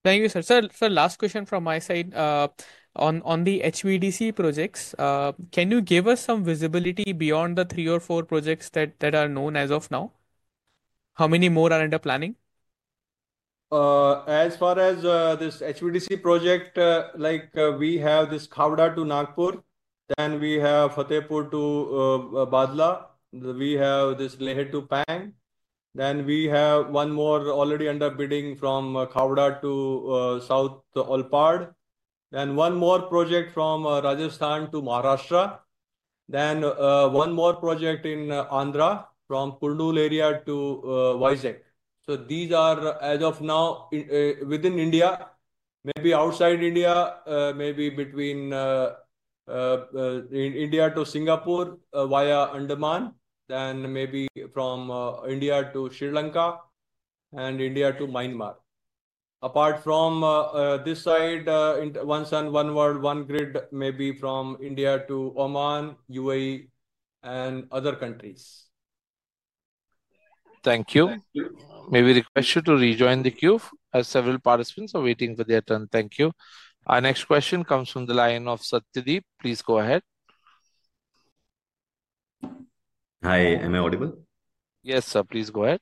Thank you, sir. Sir, last question from my side. On the HVDC projects, can you give us some visibility beyond the three or four projects that are known as of now? How many more are under planning? As far as this HVDC project, we have this Khavda to Nagpur. Then we have Fatehpur to Badla. We have this Leh to Pang. Then we have one more already under bidding from Khavda to South Olpad. Then one more project from Rajasthan to Maharashtra. Then one more project in Andhra from Kurnool area to Visakhapatnam. These are, as of now, within India. Maybe outside India, maybe between India to Singapore via Andaman. Then maybe from India to Sri Lanka and India to Myanmar. Apart from this side, one sun, one world, one grid, maybe from India to Oman, UAE, and other countries. Thank you. May we request you to rejoin the queue? Several participants are waiting for their turn. Thank you. Our next question comes from the line of Satyadeep. Please go ahead. Hi, am I audible? Yes, sir. Please go ahead.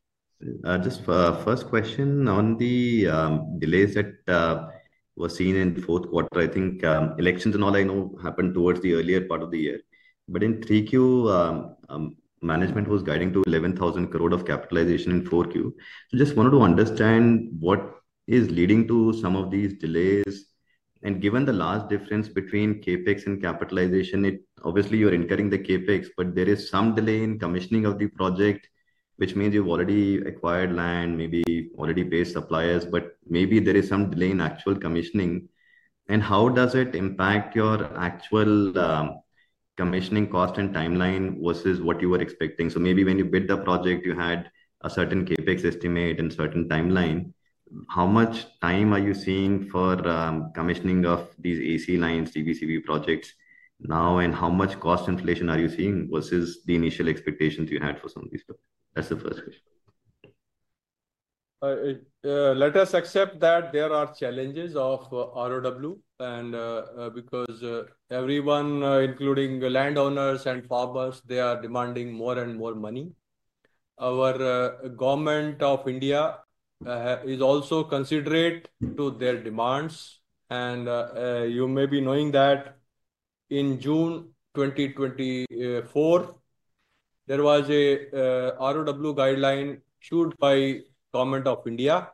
Just first question on the delays that were seen in fourth quarter. I think elections and all I know happened towards the earlier part of the year. But in Q3, management was guiding to 11,000 crore of capitalization in Q4. Just wanted to understand what is leading to some of these delays. Given the last difference between CapEx and capitalization, obviously, you're incurring the CapEx, but there is some delay in commissioning of the project, which means you've already acquired land, maybe already paid suppliers, but maybe there is some delay in actual commissioning. How does it impact your actual commissioning cost and timeline versus what you were expecting? Maybe when you bid the project, you had a certain CapEx estimate and certain timeline. How much time are you seeing for commissioning of these AC lines, TBCB projects now, and how much cost inflation are you seeing versus the initial expectations you had for some of these? That's the first question. Let us accept that there are challenges of ROW because everyone, including landowners and farmers, they are demanding more and more money. Our Government of India is also considerate to their demands. You may be knowing that in June 2024, there was an ROW guideline issued by the Government of India,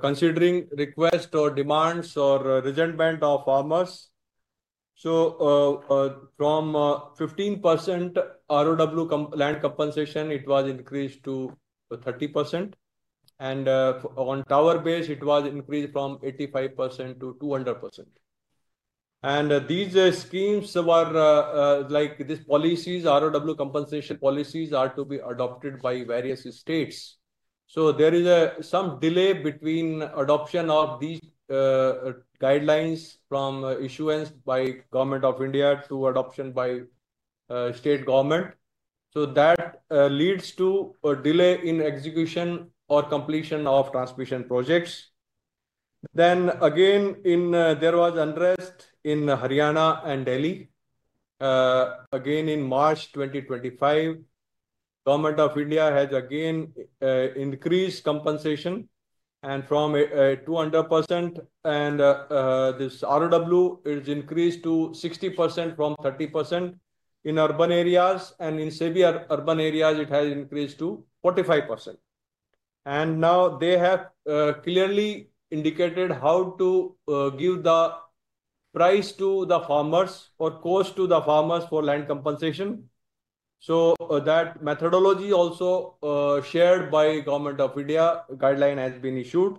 considering requests or demands or resentment of farmers. From 15% ROW land compensation, it was increased to 30%. On tower base, it was increased from 85% to 200%. These schemes were like these policies, ROW compensation policies are to be adopted by various states. There is some delay between adoption of these guidelines from issuance by the Government of India to adoption by the state government. That leads to a delay in execution or completion of transmission projects. Again, there was unrest in Haryana and Delhi. Again, in March 2025, the Government of India has again increased compensation. From 200%, this ROW is increased to 60% from 30% in urban areas. In severe urban areas, it has increased to 45%. Now they have clearly indicated how to give the price to the farmers or cost to the farmers for land compensation. That methodology also shared by the Government of India guideline has been issued.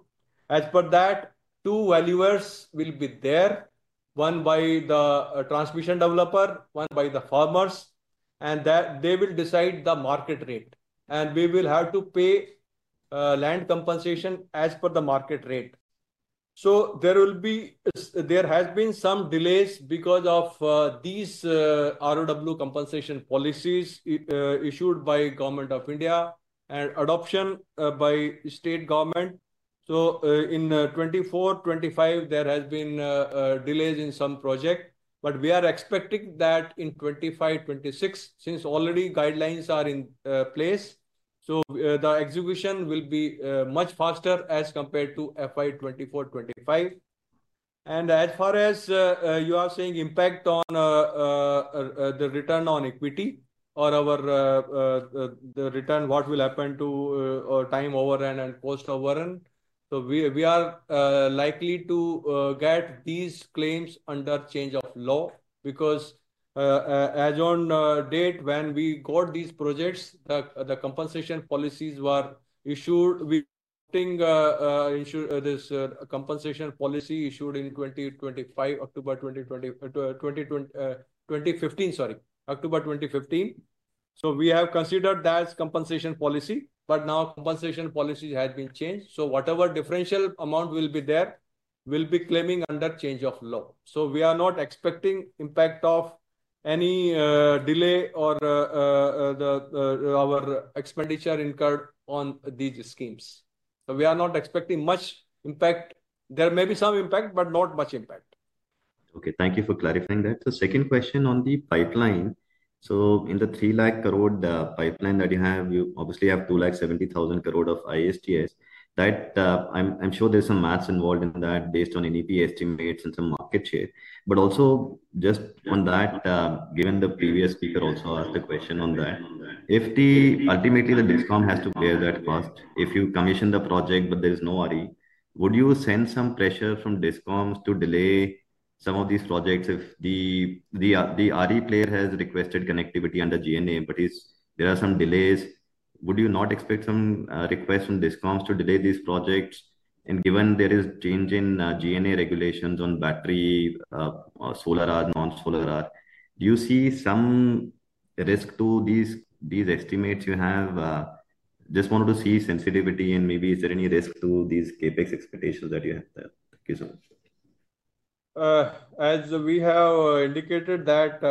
As per that, two valuers will be there, one by the transmission developer, one by the farmers. They will decide the market rate. We will have to pay land compensation as per the market rate. There has been some delays because of these ROW compensation policies issued by the Government of India and adoption by the state government. In 2024-2025, there has been delays in some projects. We are expecting that in 2025-2026, since already guidelines are in place, the execution will be much faster as compared to FY 2024-2025. As far as you are saying impact on the return on equity or our return, what will happen to time over and post over. We are likely to get these claims under change of law because as on date when we got these projects, the compensation policies were issued. We are putting this compensation policy issued in 2015, October 2015, sorry, October 2015. We have considered that compensation policy. But now compensation policies have been changed. Whatever differential amount will be there will be claiming under change of law. We are not expecting impact of any delay or our expenditure incurred on these schemes. We are not expecting much impact. There may be some impact, but not much impact. Okay. Thank you for clarifying that. Second question on the pipeline. In the 3 lakh crore pipeline that you have, you obviously have 2 lakh 70,000 crore of ISGS. I'm sure there's some maths involved in that based on NEP estimates and some market share. Just on that, given the previous speaker also asked a question on that, if ultimately the DISCOM has to bear that cost, if you commission the project but there is no RE, would you sense some pressure from DISCOMs to delay some of these projects if the RE player has requested connectivity under GNA but there are some delays? Would you not expect some requests from DISCOMs to delay these projects? Given there is change in GNA regulations on battery, solar RE, non-solar RE, do you see some risk to these estimates you have? Just wanted to see sensitivity and maybe is there any risk to these CapEx expectations that you have there. Thank you so much. As we have indicated that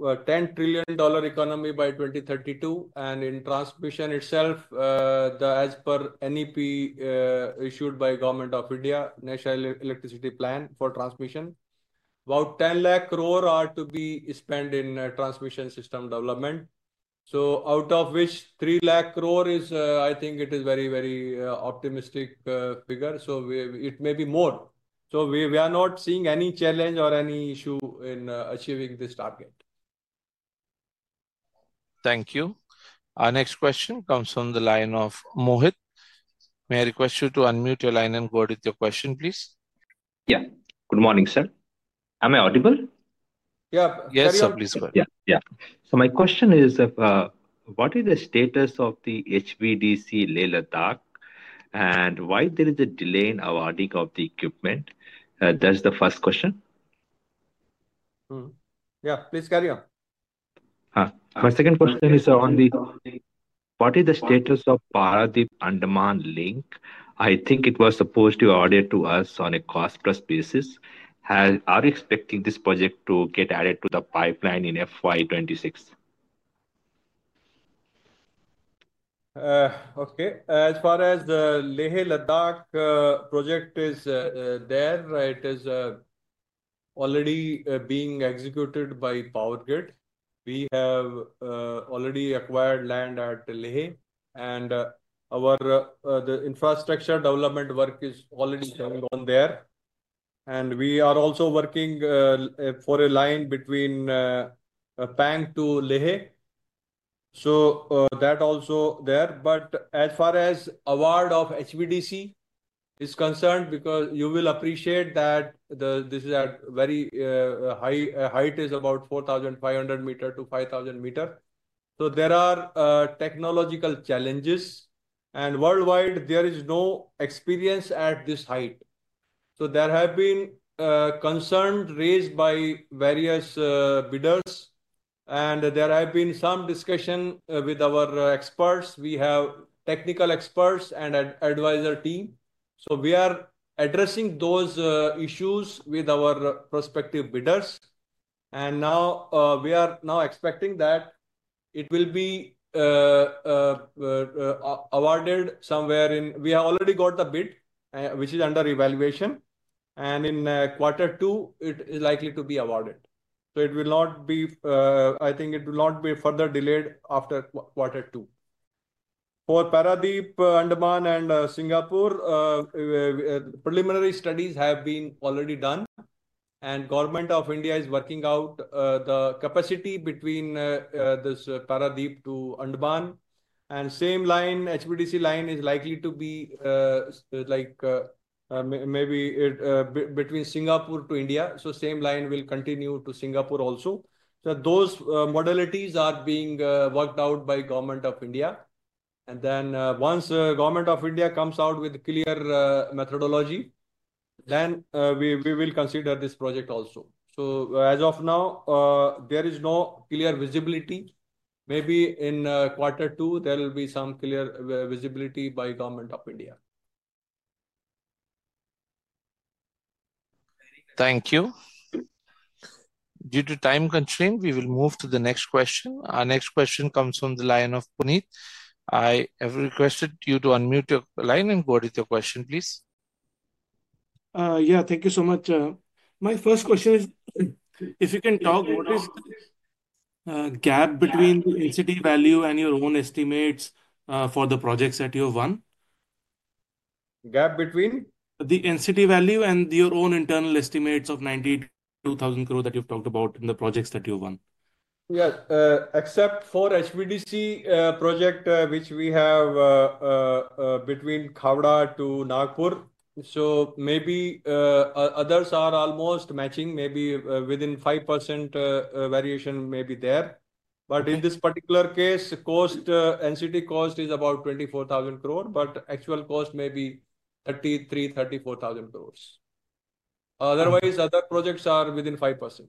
$10 trillion economy by 2032. And in transmission itself, as per NEP issued by the Government of India, National Electricity Plan for transmission, about 10 lakh crore are to be spent in transmission system development. So out of which 3 lakh crore is, I think it is very, very optimistic figure. So it may be more. We are not seeing any challenge or any issue in achieving this target. Thank you. Our next question comes from the line of Mohit. May I request you to unmute your line and go ahead with your question, please? Yeah. Good morning, sir. Am I audible? Yes, sir. Yes, sir, please go ahead. Yeah. My question is, what is the status of the HVDC Leh Ladakh and why there is a delay in awarding of the equipment? That's the first question. Yeah, please carry on. My second question is on the, what is the status of Paradeep-Andaman Link? I think it was supposed to be audited to us on a cost-plus basis. Are we expecting this project to get added to the pipeline in FY 2026? Okay. As far as the Leh Ladakh project is there, it is already being executed by Power Grid. We have already acquired land at Leh. And the infrastructure development work is already going on there. We are also working for a line between Pang to Leh. That also is there. As far as award of HVDC is concerned, because you will appreciate that this is at very high height, it is about 4,500 meters to 5,000 meters. There are technological challenges. Worldwide, there is no experience at this height. There have been concerns raised by various bidders. There have been some discussions with our experts. We have technical experts and an advisory team. We are addressing those issues with our prospective bidders. We are now expecting that it will be awarded somewhere in, we have already got the bid, which is under evaluation. In quarter two, it is likely to be awarded. I think it will not be further delayed after quarter two. For Paradeep-Andaman and Singapore, preliminary studies have been already done. The Government of India is working out the capacity between this Paradeep to Andaman. The same line, HVDC line, is likely to be maybe between Singapore to India. The same line will continue to Singapore also. Those modalities are being worked out by the Government of India. Then once the Government of India comes out with a clear methodology, we will consider this project also. As of now, there is no clear visibility. Maybe in quarter two, there will be some clear visibility by the Government of India. Thank you. Due to time constraints, we will move to the next question. Our next question comes from the line of Puneet. I have requested you to unmute your line and go ahead with your question, please. Yeah, thank you so much. My first question is, if you can talk, what is the gap between the NCT value and your own estimates for the projects that you have won? Gap between the NCT value and your own internal estimates of 92,000 crore that you have talked about in the projects that you have won? Yes, except for the HVDC project, which we have between Khavda to Nagpur. Maybe others are almost matching, maybe within 5% variation may be there. In this particular case, NCT cost is about 24,000 crore, but the actual cost may be 33,000-34,000 crore. Otherwise, other projects are within 5%.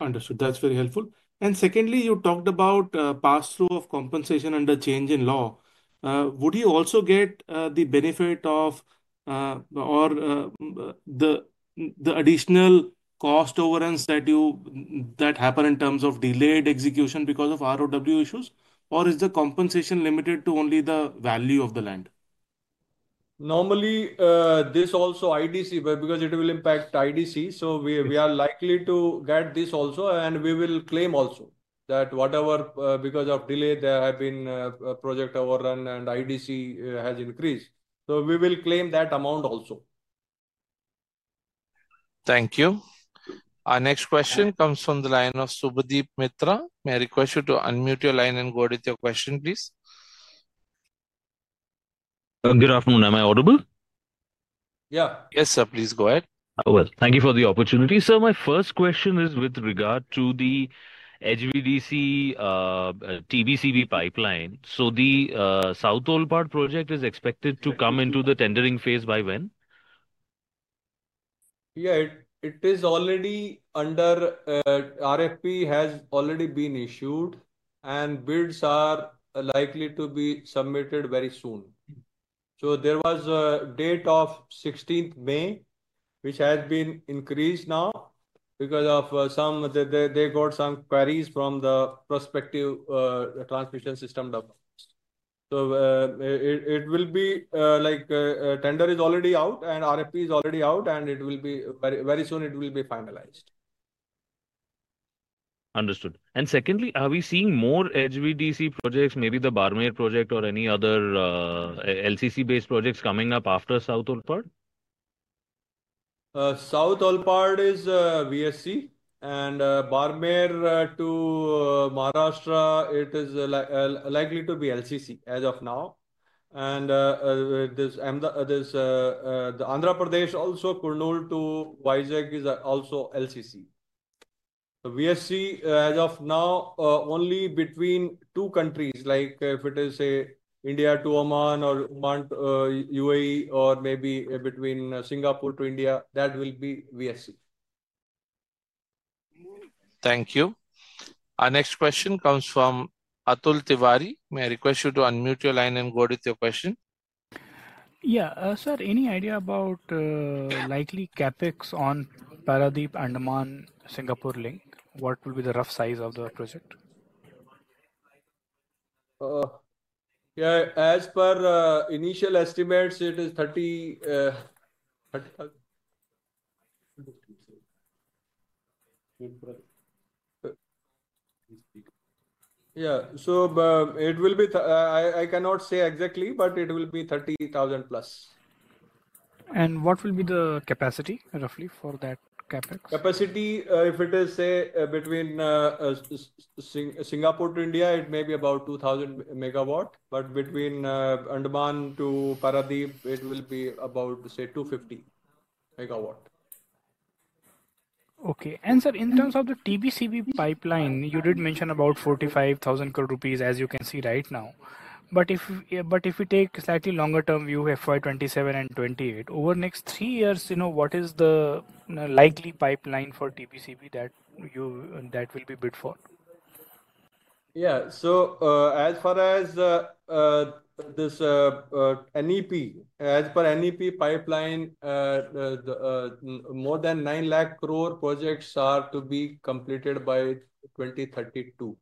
Understood. That's very helpful. Secondly, you talked about the pass-through of compensation under change in law. Would you also get the benefit of or the additional cost overruns that happen in terms of delayed execution because of ROW issues? Is the compensation limited to only the value of the land? Normally, this also IDC, because it will impact IDC. We are likely to get this also, and we will claim also that whatever because of delay, there have been project overruns and IDC has increased. We will claim that amount also. Thank you. Our next question comes from the line of Subdeep Mitra. May I request you to unmute your line and go ahead with your question, please? Good afternoon. Am I audible? Yeah. Yes, sir. Please go ahead. Thank you for the opportunity. Sir, my first question is with regard to the HVDC TBCB pipeline. The South Toll Park project is expected to come into the tendering phase by when? Yeah, it is already under RFP has already been issued, and bids are likely to be submitted very soon. There was a date of 16th May, which has been increased now because they got some queries from the prospective transmission system developers. It will be like tender is already out and RFP is already out, and it will be very soon it will be finalized. Understood. Secondly, are we seeing more HVDC projects, maybe the Barmer project or any other LCC-based projects coming up after South Toll Park? South Toll Park is VSC. Barmer to Maharashtra, it is likely to be LCC as of now. Andhra Pradesh also, Kurnool to YZEC is also LCC. VSC as of now, only between two countries, like if it is India to Oman or UAE or maybe between Singapore to India, that will be VSC. Thank you. Our next question comes from Atul Tiwari. May I request you to unmute your line and go ahead with your question? Yeah, sir, any idea about likely CapEx on Paradeep-Andaman-Singapore link? What will be the rough size of the project? Yeah, as per initial estimates, it is INR 30,000 crore. Yeah, so it will be, I cannot say exactly, but it will be 30,000 crore plus. What will be the capacity roughly for that CapEx? Capacity, if it is, say, between Singapore to India, it may be about 2,000 MW. If it is between Andaman to Paradeep, it will be about, say, 250 MW. Okay. Sir, in terms of the TBCB pipeline, you did mention about 45,000 crore rupees, as you can see right now. If we take a slightly longer-term view, financial year 2027 and 2028, over the next three years, what is the likely pipeline for TBCB that will be bid for? As far as this NEP, as per NEP pipeline, more than 9 lakh crore projects are to be completed by 2032.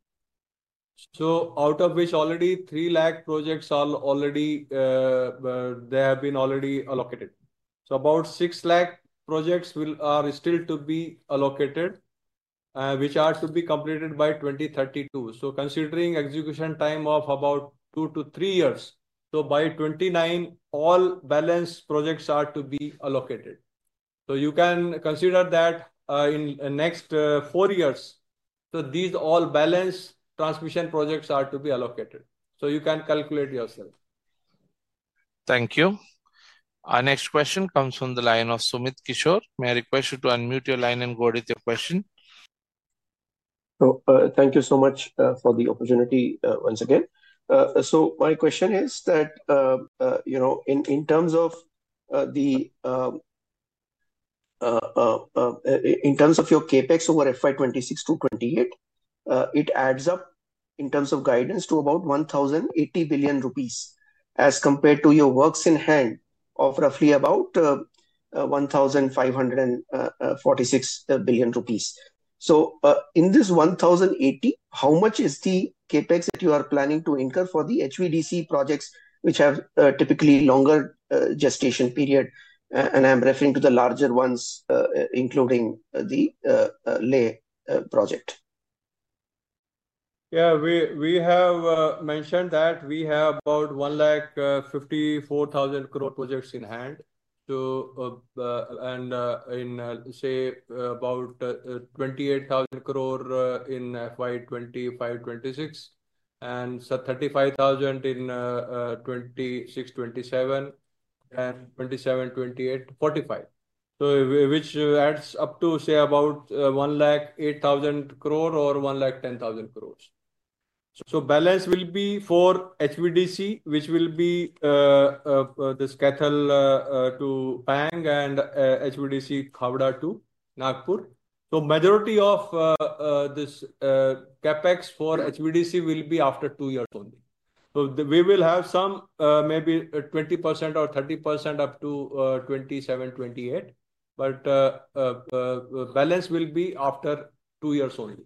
Out of which already 3 lakh crore projects are already, they have been already allocated. About 6 lakh crore projects are still to be allocated, which are to be completed by 2032. Considering execution time of about two to three years, by 2029, all balanced projects are to be allocated. You can consider that in the next four years. All these balanced transmission projects are to be allocated. You can calculate yourself. Thank you. Our next question comes from the line of Sumit Kishor. May I request you to unmute your line and go ahead with your question? Thank you so much for the opportunity once again. My question is that in terms of your CapEx over FY 2026 to 2028, it adds up in terms of guidance to about 1,080 billion rupees as compared to your works in hand of roughly about 1,546 billion rupees. In this 1,080 billion, how much is the CapEx that you are planning to incur for the HVDC projects, which have typically longer gestation period? I'm referring to the larger ones, including the Leh project. Yeah, we have mentioned that we have about 1 lack 54,000 crore projects in hand. In, say, about 28,000 crore in FY 2025-2026, and 35,000 crore in 2026-2027, and 2027-2028 45,000 crore, which adds up to, say, about 108,000 crore or 110,000 crore. Balance will be for HVDC, which will be this Kaithal to Pang and HVDC Khavda to Nagpur. Majority of this CapEx for HVDC will be after two years only. We will have some maybe 20% or 30% up to 2027-2028, but balance will be after two years only.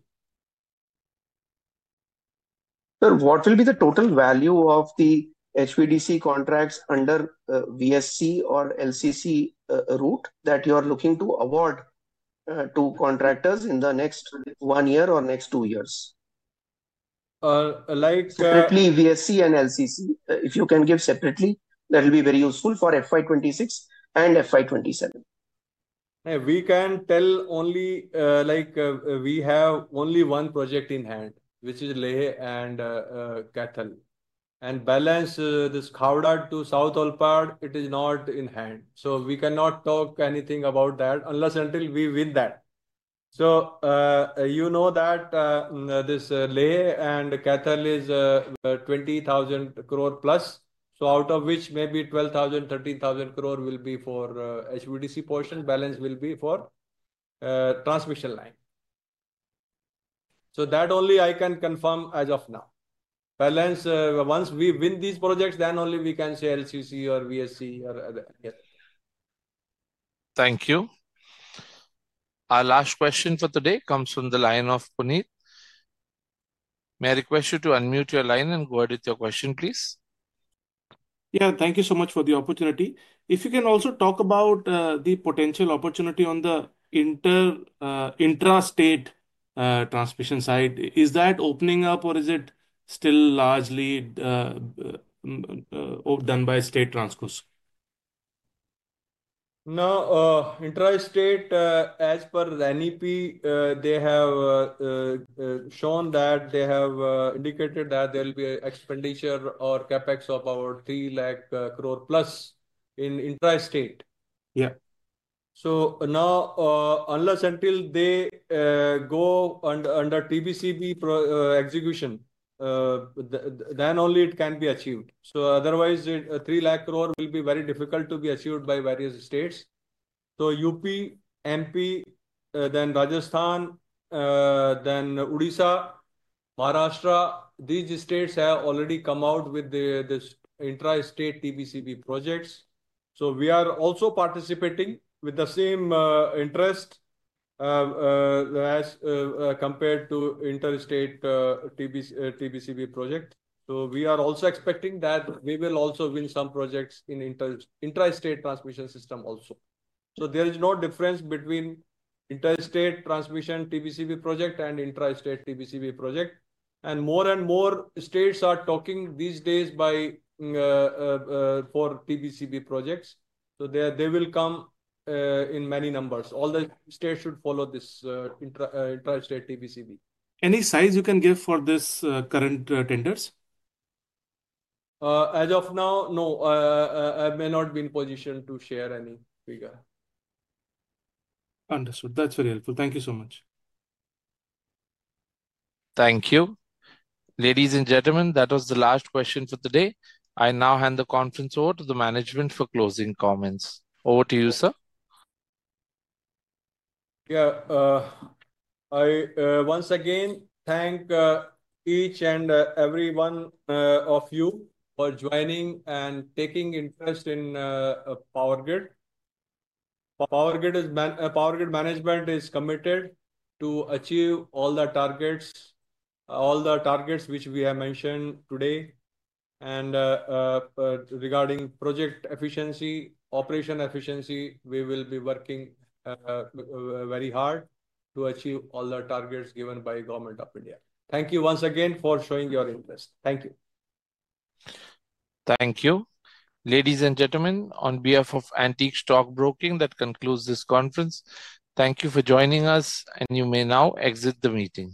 Sir, what will be the total value of the HVDC contracts under VSC or LCC route that you are looking to award to contractors in the next one year or next two years? Separately VSC and LCC, if you can give separately, that will be very useful for FY 2026 and FY 2027. We can tell only like we have only one project in hand, which is Leh and Kaithal. And balance this Khavda to South Toll Park, it is not in hand. We cannot talk anything about that unless until we win that. You know that this Leh and Kaithal is 20,000 crore plus. Out of which maybe 12,000-13,000 crore will be for HVDC portion, balance will be for transmission line. That only I can confirm as of now. Balance, once we win these projects, then only we can say LCC or VSC or other. Thank you. Our last question for today comes from the line of Puneet. May I request you to unmute your line and go ahead with your question, please? Yeah, thank you so much for the opportunity. If you can also talk about the potential opportunity on the intra-state transmission side, is that opening up or is it still largely done by state transcos? No, intra-state, as per the NEP, they have shown that they have indicated that there will be an expenditure or CapEx of about 3 lakh crore plus in intra-state. Yeah. Now, unless until they go under TBCB execution, then only it can be achieved. Otherwise, 3 lakh crore will be very difficult to be achieved by various states. UP, MP, then Rajasthan, then Odisha, Maharashtra, these states have already come out with the intra-state TBCB projects. We are also participating with the same interest as compared to inter-state TBCB projects. We are also expecting that we will also win some projects in intra-state transmission system also. There is no difference between intra-state transmission TBCB project and intra-state TBCB project. More and more states are talking these days for TBCB projects. They will come in many numbers. All the states should follow this intra-state TBCB. Any size you can give for this current tenders? As of now, no. I may not be in position to share any figure. Understood. That is very helpful. Thank you so much. Thank you. Ladies and gentlemen, that was the last question for the day. I now hand the conference over to the management for closing comments. Over to you, sir. Yeah, I once again thank each and every one of you for joining and taking interest in Power Grid. Power Grid management is committed to achieve all the targets, all the targets which we have mentioned today. Regarding project efficiency, operation efficiency, we will be working very hard to achieve all the targets given by Government of India. Thank you once again for showing your interest. Thank you. Thank you. Ladies and gentlemen, on behalf of Antique Stock Broking, that concludes this conference. Thank you for joining us, and you may now exit the meeting.